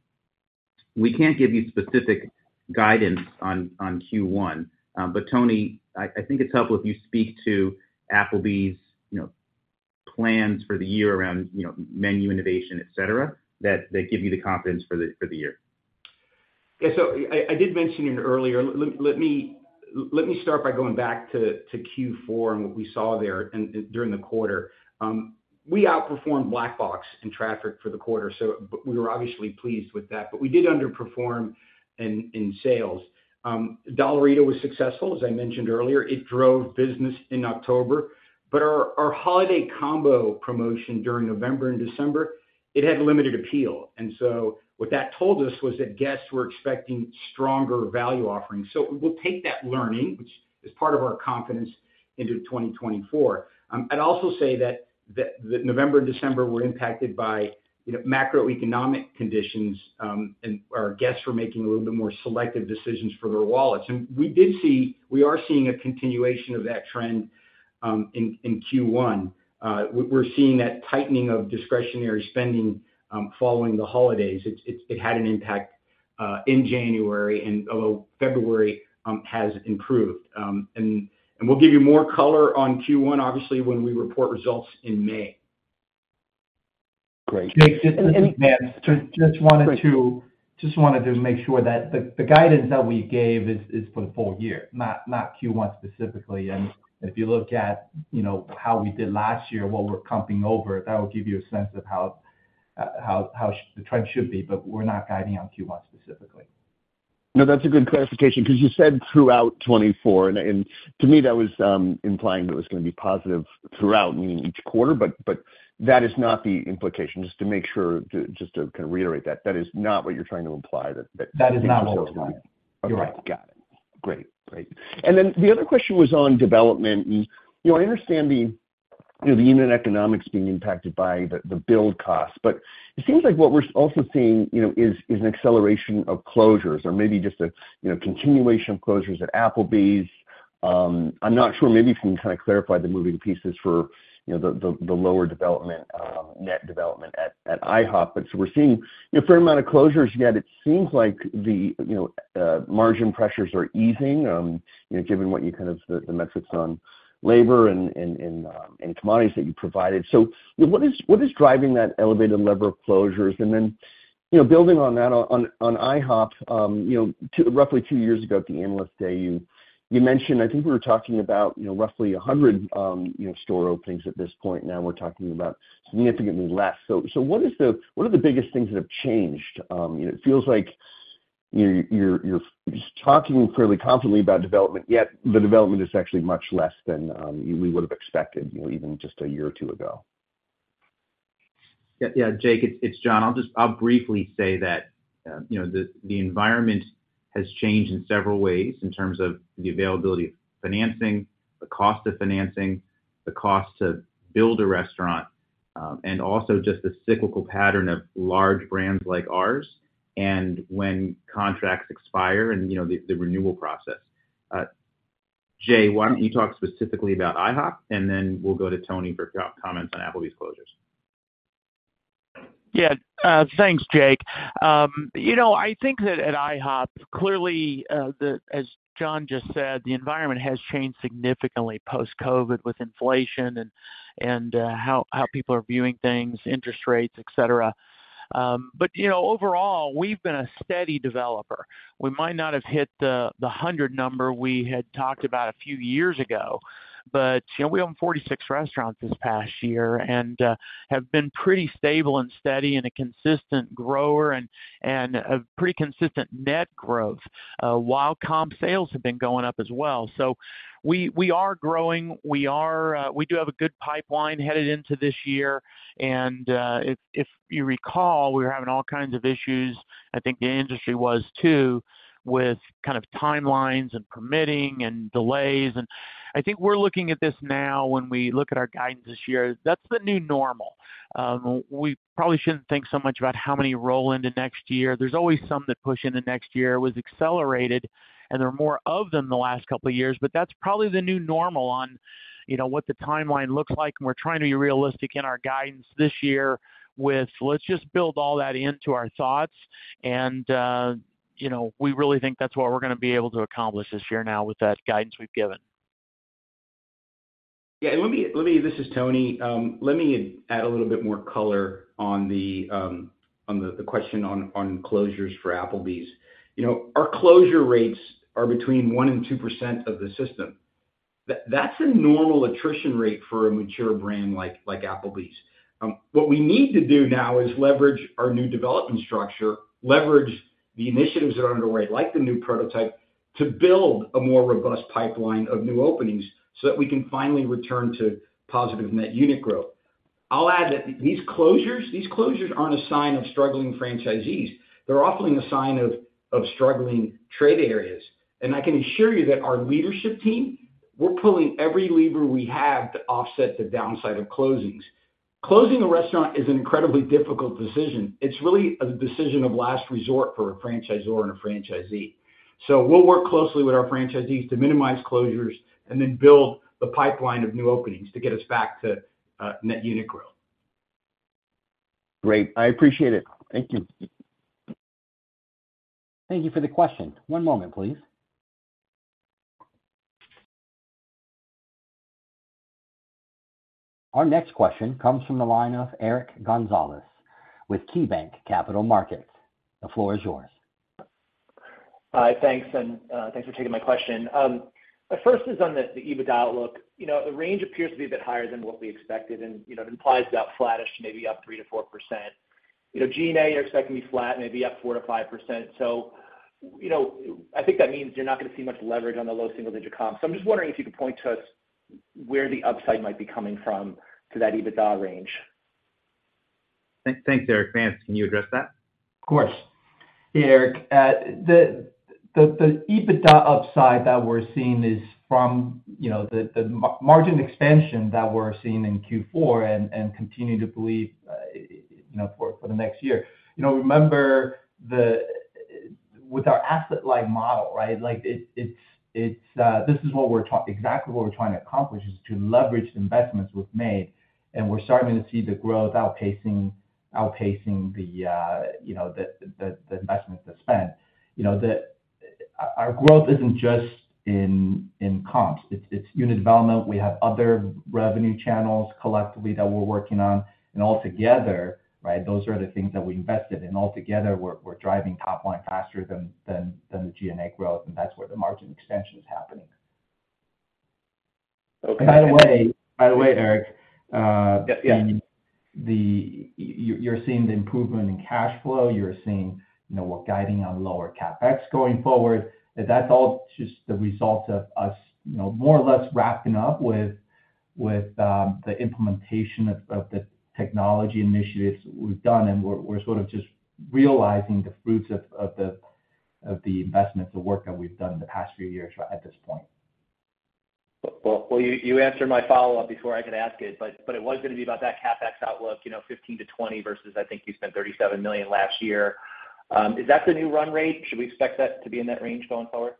We can't give you specific guidance on Q1, but Tony, I think it's helpful if you speak to Applebee's plans for the year around menu innovation, et cetera, that give you the confidence for the year. Yeah, so I did mention it earlier. Let me start by going back to Q4 and what we saw there during the quarter. We outperformed Black Box in traffic for the quarter, so but we were obviously pleased with that, but we did underperform in sales. Dollarita was successful, as I mentioned earlier. It drove business in October, but our holiday combo promotion during November and December had limited appeal, and so what that told us was that guests were expecting stronger value offerings. So we'll take that learning, which is part of our confidence into 2024. I'd also say that November and December were impacted by, you know, macroeconomic conditions, and our guests were making a little bit more selective decisions for their wallets. We did see, we are seeing a continuation of that trend in Q1. We're seeing that tightening of discretionary spending following the holidays. It had an impact in January, and although February has improved, and we'll give you more color on Q1, obviously, when we report results in May. Great. Jake, just wanted to make sure that the guidance that we gave is for the full year, not Q1 specifically. And if you look at, you know, how we did last year, what we're comping over, that will give you a sense of how the trend should be, but we're not guiding on Q1 specifically. No, that's a good clarification, because you said throughout 2024, and to me, that was implying that it was going to be positive throughout, meaning each quarter. But that is not the implication, just to make sure, just to kind of reiterate that. That is not what you're trying to imply, that. That is not what we're implying. You're right. Got it. Great. Great. And then the other question was on development. And, you know, I understand the, you know, the unit economics being impacted by the, the build cost, but it seems like what we're also seeing, you know, is an acceleration of closures or maybe just a, you know, continuation of closures at Applebee's. I'm not sure, maybe if you can kind of clarify the moving pieces for, you know, the lower development, net development at IHOP. But so we're seeing a fair amount of closures, yet it seems like the, you know, margin pressures are easing, you know, given what you kind of the metrics on labor and commodities that you provided. So what is driving that elevated level of closure. You know, building on that, on IHOP, you know, roughly 2 years ago at the Analyst Day, you mentioned, I think we were talking about, you know, roughly 100 store openings at this point. Now, we're talking about significantly less. So what is the—what are the biggest things that have changed? It feels like you're talking fairly confidently about development, yet the development is actually much less than we would have expected, you know, even just a year or two ago. Yeah, yeah, Jake, it's John. I'll just briefly say that, you know, the environment has changed in several ways in terms of the availability of financing, the cost of financing, the cost to build a restaurant, and also just the cyclical pattern of large brands like ours, and when contracts expire and, you know, the renewal process. Jay, why don't you talk specifically about IHOP, and then we'll go to Tony for comments on Applebee's closures? Yeah, thanks, Jake. You know, I think that at IHOP, clearly, as John just said, the environment has changed significantly post-COVID with inflation and how people are viewing things, interest rates, et cetera. But, you know, overall, we've been a steady developer. We might not have hit the 100 number we had talked about a few years ago, but, you know, we own 46 restaurants this past year and have been pretty stable and steady and a consistent grower and a pretty consistent net growth while comp sales have been going up as well. So we are growing. We do have a good pipeline headed into this year, and if you recall, we were having all kinds of issues, I think the industry was, too, with kind of timelines and permitting and delays, and I think we're looking at this now when we look at our guidance this year, that's the new normal. We probably shouldn't think so much about how many roll into next year. There's always some that push into next year. It was accelerated, and there are more of them the last couple of years, but that's probably the new normal on, you know, what the timeline looks like, and we're trying to be realistic in our guidance this year with, "Let's just build all that into our thoughts," and, you know, we really think that's what we're going to be able to accomplish this year now with that guidance we've given. Yeah, let me. This is Tony. Let me add a little bit more color on the question on closures for Applebee's. You know, our closure rates are between 1% and 2% of the system. That's a normal attrition rate for a mature brand like Applebee's. What we need to do now is leverage our new development structure, leverage the initiatives that are underway, like the new prototype, to build a more robust pipeline of new openings so that we can finally return to positive net unit growth. I'll add that these closures aren't a sign of struggling franchisees. They're often a sign of struggling trade areas, and I can assure you that our leadership team, we're pulling every lever we have to offset the downside of closings. Closing a restaurant is an incredibly difficult decision. It's really a decision of last resort for a franchisor and a franchisee. So we'll work closely with our franchisees to minimize closures and then build the pipeline of new openings to get us back to net unit growth. Great. I appreciate it. Thank you. Thank you for the question. One moment, please. Our next question comes from the line of Eric Gonzalez with KeyBanc Capital Markets. The floor is yours. Hi, thanks, and thanks for taking my question. The first is on the EBITDA outlook. You know, the range appears to be a bit higher than what we expected, and, you know, it implies about flattish to maybe up 3%-4%. You know, G&A, you're expecting to be flat, maybe up 4%-5%. So, you know, I think that means you're not going to see much leverage on the low single-digit comp. So I'm just wondering if you could point to us where the upside might be coming from to that EBITDA range. Thanks, Eric. Vance, can you address that? Of course. Yeah, Eric, the EBITDA upside that we're seeing is from, you know, the margin expansion that we're seeing in Q4 and continue to believe, you know, for the next year. You know, remember, with our asset-light model, right, like, it's this is exactly what we're trying to accomplish, is to leverage the investments we've made, and we're starting to see the growth outpacing the, you know, the investments are spent. You know, our growth isn't just in comps, it's unit development. We have other revenue channels collectively that we're working on, and altogether, right, those are the things that we invested in. Altogether, we're driving top line faster than the G&A growth, and that's where the margin expansion is happening. By the way, by the way, Eric, you're seeing the improvement in cash flow. You're seeing, you know, we're guiding on lower CapEx going forward. That's all just the result of us, you know, more or less wrapping up with the implementation of the technology initiatives we've done, and we're sort of just realizing the fruits of the investments, the work that we've done in the past few years at this point. Well, well, you, you answered my follow-up before I could ask it, but, but it was going to be about that CapEx outlook, you know, $15 million to $20 million versus I think you spent $37 million last year. Is that the new run rate? Should we expect that to be in that range going forward?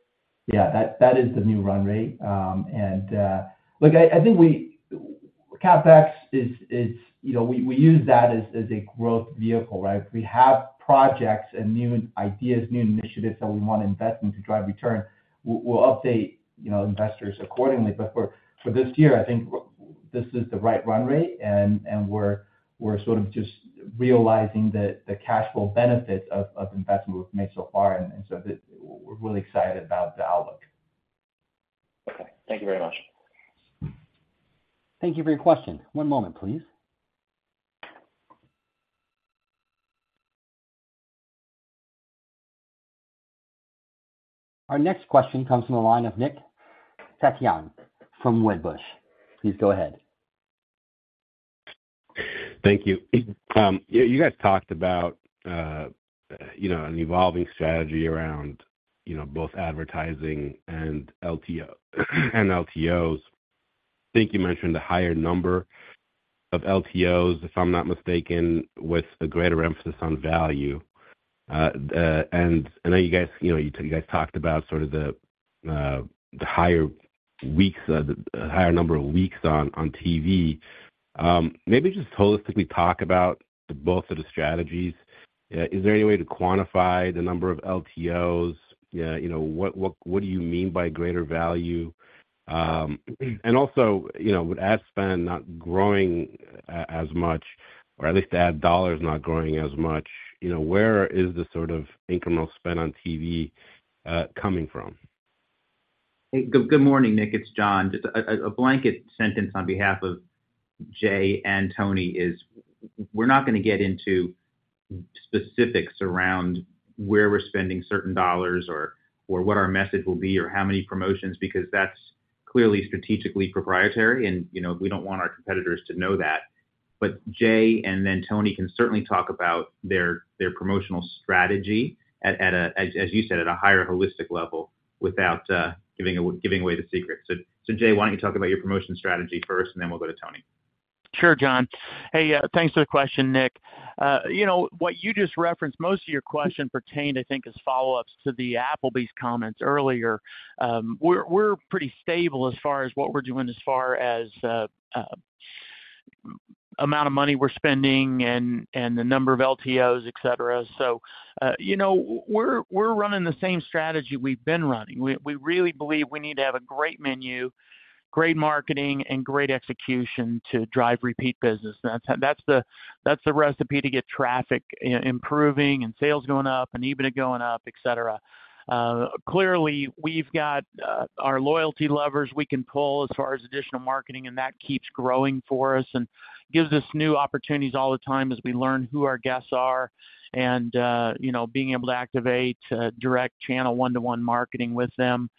Yeah, that is the new run rate. Look, I think CapEx is, you know, we use that as a growth vehicle, right? If we have projects and new ideas, new initiatives that we want to invest in to drive return, we'll update, you know, investors accordingly. But for this year, I think this is the right run rate, and we're sort of just realizing the cash flow benefits of investment we've made so far, and so we're really excited about the outlook. Okay, thank you very much. Thank you for your question. One moment, please. Our next question comes from the line of Nick Setyan from Wedbush. Please go ahead. Thank you. You guys talked about, you know, an evolving strategy around, you know, both advertising and LTO, and LTOs. I think you mentioned a higher number of LTOs, if I'm not mistaken, with a greater emphasis on value. And I know you guys, you know, you guys talked about sort of the higher weeks, the higher number of weeks on TV. Maybe just holistically talk about both of the strategies. Is there any way to quantify the number of LTOs? Yeah, you know, what do you mean by greater value? And also, you know, with ad spend not growing as much, or at least the ad dollars not growing as much, you know, where is the sort of incremental spend on TV coming from? Hey, good morning, Nick, it's John. Just a blanket sentence on behalf of Jay and Tony is we're not gonna get into specifics around where we're spending certain dollars or what our message will be, or how many promotions, because that's clearly strategically proprietary and, you know, we don't want our competitors to know that. But Jay, and then Tony, can certainly talk about their promotional strategy at a higher holistic level, as you said, without giving away the secret. So Jay, why don't you talk about your promotion strategy first, and then we'll go to Tony. Sure, John. Hey, thanks for the question, Nick. You know, what you just referenced, most of your question pertained, I think, as follow-ups to the Applebee's comments earlier. We're, we're pretty stable as far as what we're doing as far as, amount of money we're spending and, and the number of LTOs, et cetera. So, you know, we're, we're running the same strategy we've been running. We, we really believe we need to have a great menu, great marketing, and great execution to drive repeat business. That's, that's the, that's the recipe to get traffic improving and sales going up and EBITDA going up, et cetera. Clearly, we've got our loyalty levers we can pull as far as additional marketing, and that keeps growing for us and gives us new opportunities all the time as we learn who our guests are and, you know, being able to activate direct channel one-to-one marketing with them.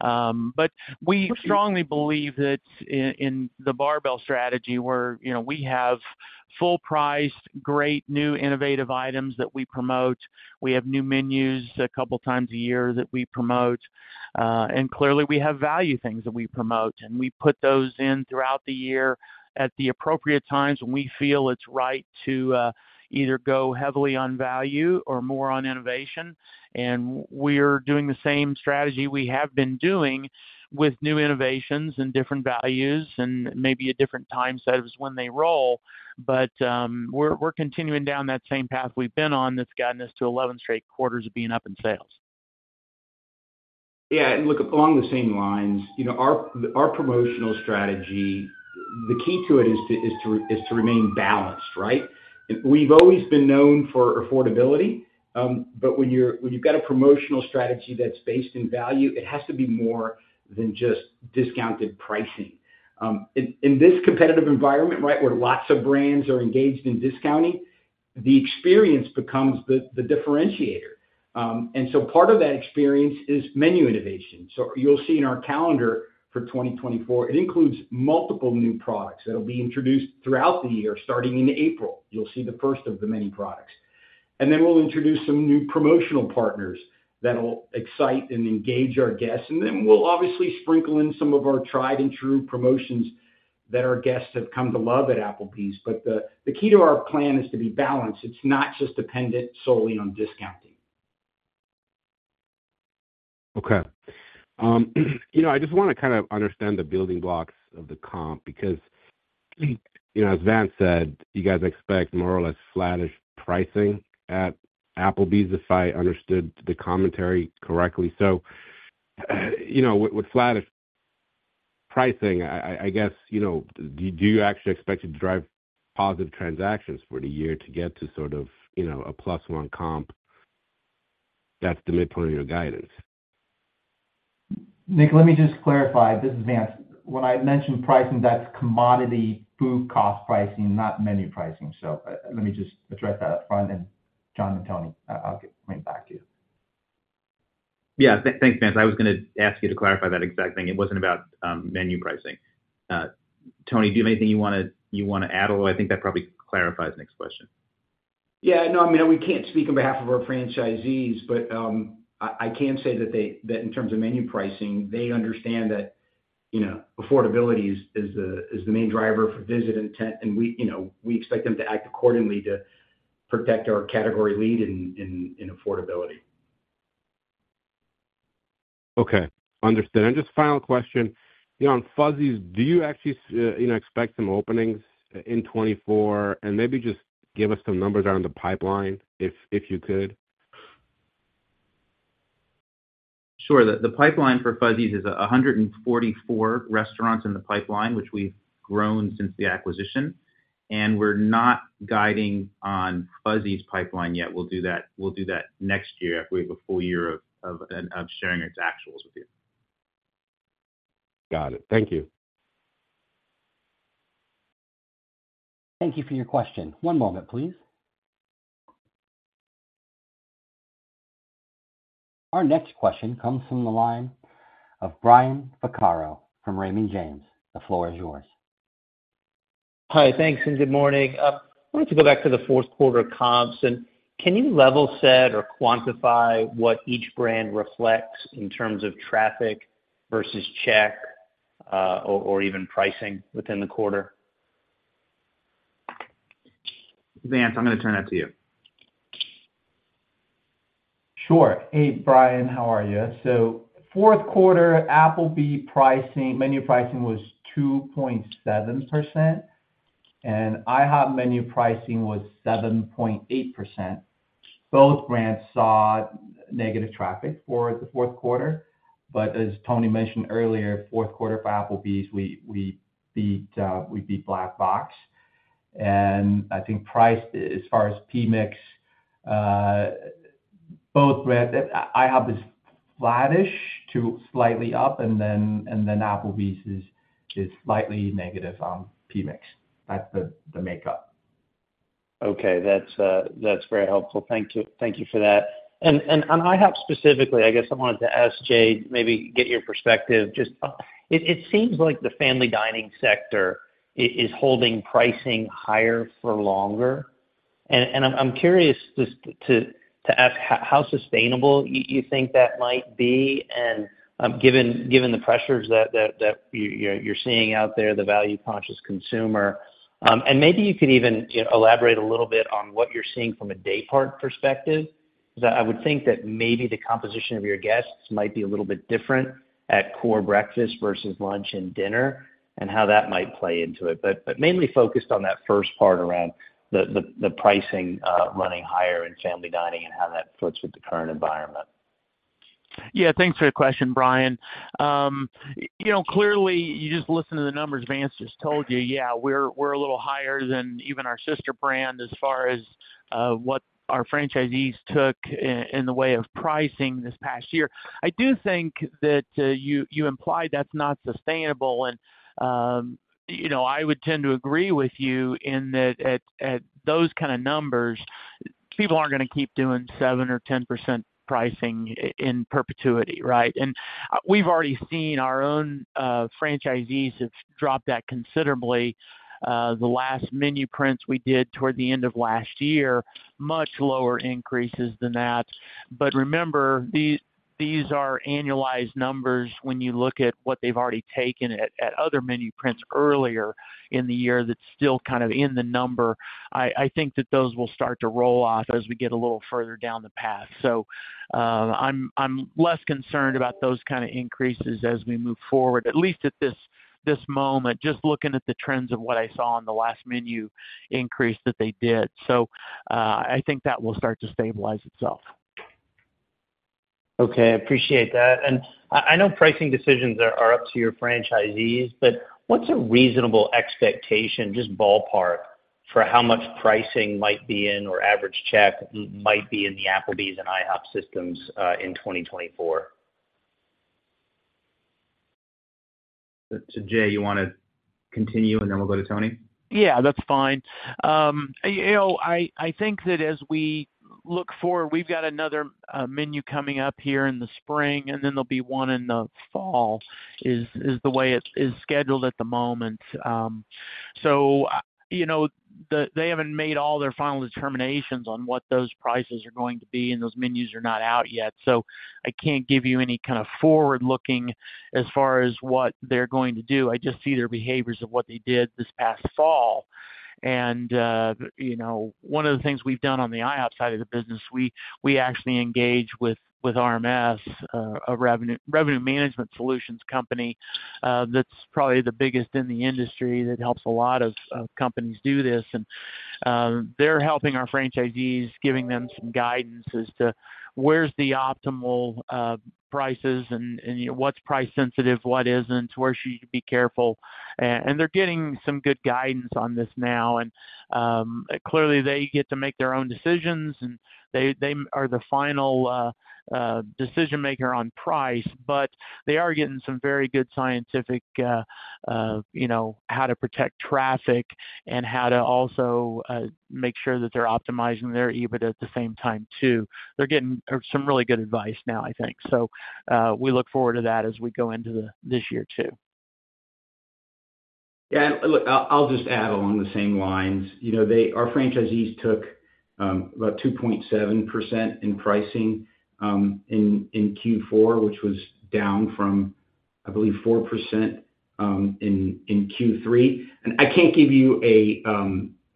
But we strongly believe that in the barbell strategy, where, you know, we have full priced, great, new, innovative items that we promote. We have new menus a couple of times a year that we promote, and clearly, we have value things that we promote, and we put those in throughout the year at the appropriate times when we feel it's right to either go heavily on value or more on innovation. We're doing the same strategy we have been doing with new innovations and different values and maybe a different time sets when they roll. We're continuing down that same path we've been on that's gotten us to 11 straight quarters of being up in sales. Yeah, and look, along the same lines, you know, our promotional strategy, the key to it is to remain balanced, right? We've always been known for affordability, but when you've got a promotional strategy that's based in value, it has to be more than just discounted pricing. In this competitive environment, right, where lots of brands are engaged in discounting, the experience becomes the differentiator. And so part of that experience is menu innovation. So you'll see in our calendar for 2024, it includes multiple new products that will be introduced throughout the year. Starting in April, you'll see the first of the many products. And then we'll introduce some new promotional partners that will excite and engage our guests. And then we'll obviously sprinkle in some of our tried and true promotions that our guests have come to love at Applebee's. But the key to our plan is to be balanced. It's not just dependent solely on discounting. Okay. You know, I just want to kind of understand the building blocks of the comp, because, you know, as Vance said, you guys expect more or less flattish pricing at Applebee's, if I understood the commentary correctly. So, you know, with flattish pricing, I guess, you know, do you actually expect it to drive positive transactions for the year to get to sort of, you know, a +1 comp? That's the midpoint of your guidance. Nick, let me just clarify. This is Vance. When I mentioned pricing, that's commodity food cost pricing, not menu pricing. So let me just address that upfront, and John and Tony, I'll get right back to you. Yeah, thanks, Vance. I was gonna ask you to clarify that exact thing. It wasn't about menu pricing. Tony, do you have anything you wanna add? Although I think that probably clarifies Nick's question. Yeah, no, I mean, we can't speak on behalf of our franchisees, but, I can say that they—that in terms of menu pricing, they understand that, you know, affordability is the main driver for visit intent, and we, you know, we expect them to act accordingly to protect our category lead in affordability. Okay, understood. And just final question: You know, on Fuzzy's, do you actually, you know, expect some openings in 2024? And maybe just give us some numbers around the pipeline, if you could. Sure. The pipeline for Fuzzy's is 144 restaurants in the pipeline, which we've grown since the acquisition, and we're not guiding on Fuzzy's pipeline yet. We'll do that, we'll do that next year after we have a full year of sharing its actuals with you. Got it. Thank you. Thank you for your question. One moment, please. Our next question comes from the line of Brian Vaccaro from Raymond James. The floor is yours. Hi. Thanks, and good morning. I wanted to go back to the fourth quarter comps, and can you level set or quantify what each brand reflects in terms of traffic versus check, or, or even pricing within the quarter? Vance, I'm gonna turn that to you. Sure. Hey, Brian, how are you? So fourth quarter, Applebee's pricing, menu pricing was 2.7%, and IHOP menu pricing was 7.8%. Both brands saw negative traffic for the fourth quarter, but as Tony mentioned earlier, fourth quarter for Applebee's, we beat Black Box. And I think price, as far as PMIX, both brands, IHOP is flattish to slightly up, and then Applebee's is slightly negative on PMIX. That's the makeup. Okay. That's, that's very helpful. Thank you, thank you for that. And on IHOP specifically, I guess I wanted to ask Jay, maybe get your perspective. Just, it seems like the family dining sector is holding pricing higher for longer, and I'm curious just to ask how sustainable you think that might be, and given the pressures that you're seeing out there, the value conscious consumer. And maybe you could even, you know, elaborate a little bit on what you're seeing from a day part perspective. Because I would think that maybe the composition of your guests might be a little bit different at core breakfast versus lunch and dinner, and how that might play into it. But mainly focused on that first part around the pricing running higher in family dining and how that fits with the current environment. Yeah, thanks for the question, Brian. You know, clearly, you just listen to the numbers Vance just told you. Yeah, we're, we're a little higher than even our sister brand as far as what our franchisees took in the way of pricing this past year. I do think that you implied that's not sustainable, and you know, I would tend to agree with you in that at those kind of numbers, people aren't gonna keep doing 7% or 10% pricing in perpetuity, right? And we've already seen our own franchisees have dropped that considerably. The last menu prints we did toward the end of last year, much lower increases than that. But remember, these are annualized numbers when you look at what they've already taken at other menu prices earlier in the year, that's still kind of in the number. I think that those will start to roll off as we get a little further down the path. So, I'm less concerned about those kind of increases as we move forward, at least at this moment, just looking at the trends of what I saw on the last menu increase that they did. So, I think that will start to stabilize itself. Okay, I appreciate that. And I know pricing decisions are up to your franchisees, but what's a reasonable expectation, just ballpark, for how much pricing might be in or average check might be in the Applebee's and IHOP systems in 2024? So Jay, you want to continue, and then we'll go to Tony? Yeah, that's fine. You know, I think that as we look forward, we've got another menu coming up here in the spring, and then there'll be one in the fall, is the way it's scheduled at the moment. So, you know, they haven't made all their final determinations on what those prices are going to be, and those menus are not out yet. So I can't give you any kind of forward-looking as far as what they're going to do. I just see their behaviors of what they did this past fall. And, you know, one of the things we've done on the IHOP side of the business, we actually engage with RMS, a Revenue Management Solutions company, that's probably the biggest in the industry, that helps a lot of companies do this. They're helping our franchisees, giving them some guidance as to where's the optimal prices and, you know, what's price sensitive, what isn't, where should you be careful. And they're getting some good guidance on this now, and, clearly, they get to make their own decisions, and they are the final decision maker on price. But they are getting some very good scientific, you know, how to protect traffic and how to also make sure that they're optimizing their EBIT at the same time, too. They're getting some really good advice now, I think. So, we look forward to that as we go into this year, too. Yeah, look, I'll just add along the same lines. You know, they—our franchisees took about 2.7% in pricing in Q4, which was down from, I believe, 4% in Q3. And I can't give you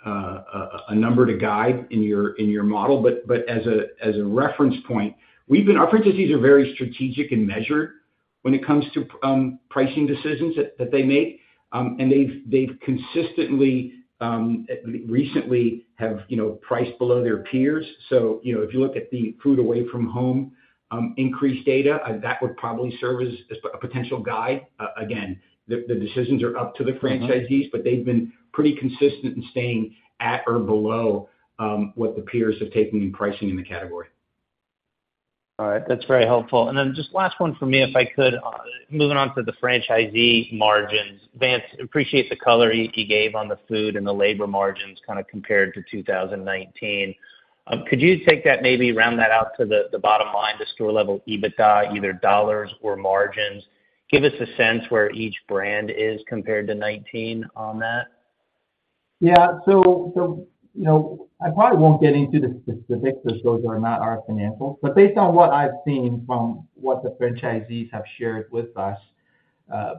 a number to guide in your model, but as a reference point, we've been—our franchisees are very strategic and measured when it comes to pricing decisions that they make, and they've consistently recently have, you know, priced below their peers. So, you know, if you look at the food away from home increased data, that would probably serve as a potential guide. Again, the decisions are up to the franchisees, but they've been pretty consistent in staying at or below what the peers have taken in pricing in the category. All right, that's very helpful. Then just last one for me, if I could, moving on to the franchisee margins. Vance, appreciate the color you gave on the food and the labor margins kind of compared to 2019. Could you take that, maybe round that out to the bottom line, the store-level EBITDA, either dollars or margins? Give us a sense where each brand is compared to 2019 on that. Yeah. So, you know, I probably won't get into the specifics, as those are not our financials. But based on what I've seen from what the franchisees have shared with us,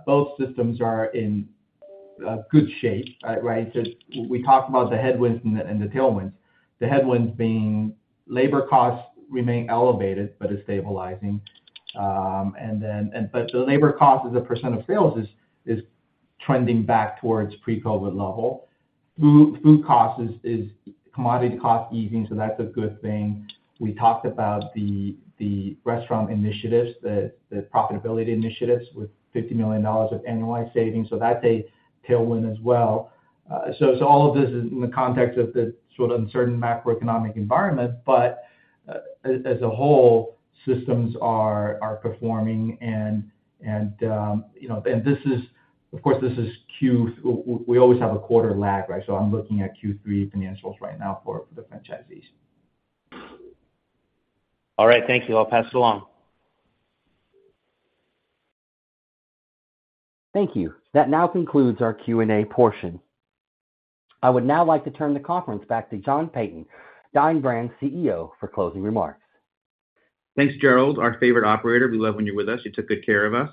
both systems are in good shape, right? So we talked about the headwinds and the tailwinds. The headwinds being labor costs remain elevated but are stabilizing. And but the labor cost as a % of sales is trending back towards pre-COVID level. Food costs is commodity costs easing, so that's a good thing. We talked about the restaurant initiatives, the profitability initiatives, with $50 million of annualized savings, so that's a tailwind as well. So all of this is in the context of the sort of uncertain macroeconomic environment, but as a whole, systems are performing and you know, and this is. Of course, this is Q. We always have a quarter lag, right? So I'm looking at Q3 financials right now for the franchisees. All right. Thank you. I'll pass it along. Thank you. That now concludes our Q&A portion. I would now like to turn the conference back to John Peyton, Dine Brands CEO, for closing remarks. Thanks, Gerald, our favorite operator. We love when you're with us. You took good care of us.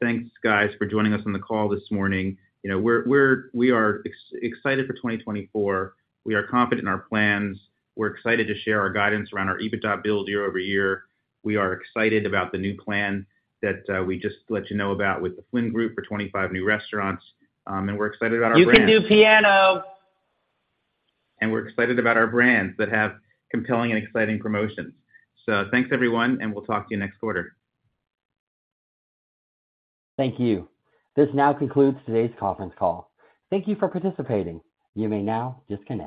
Thanks, guys, for joining us on the call this morning. You know, we are excited for 2024. We are confident in our plans. We're excited to share our guidance around our EBITDA build year over year. We are excited about the new plan that we just let you know about with the Flynn Group for 25 new restaurants. And we're excited about our brands. We're excited about our brands that have compelling and exciting promotions. Thanks, everyone, and we'll talk to you next quarter. Thank you. This now concludes today's conference call. Thank you for participating. You may now disconnect.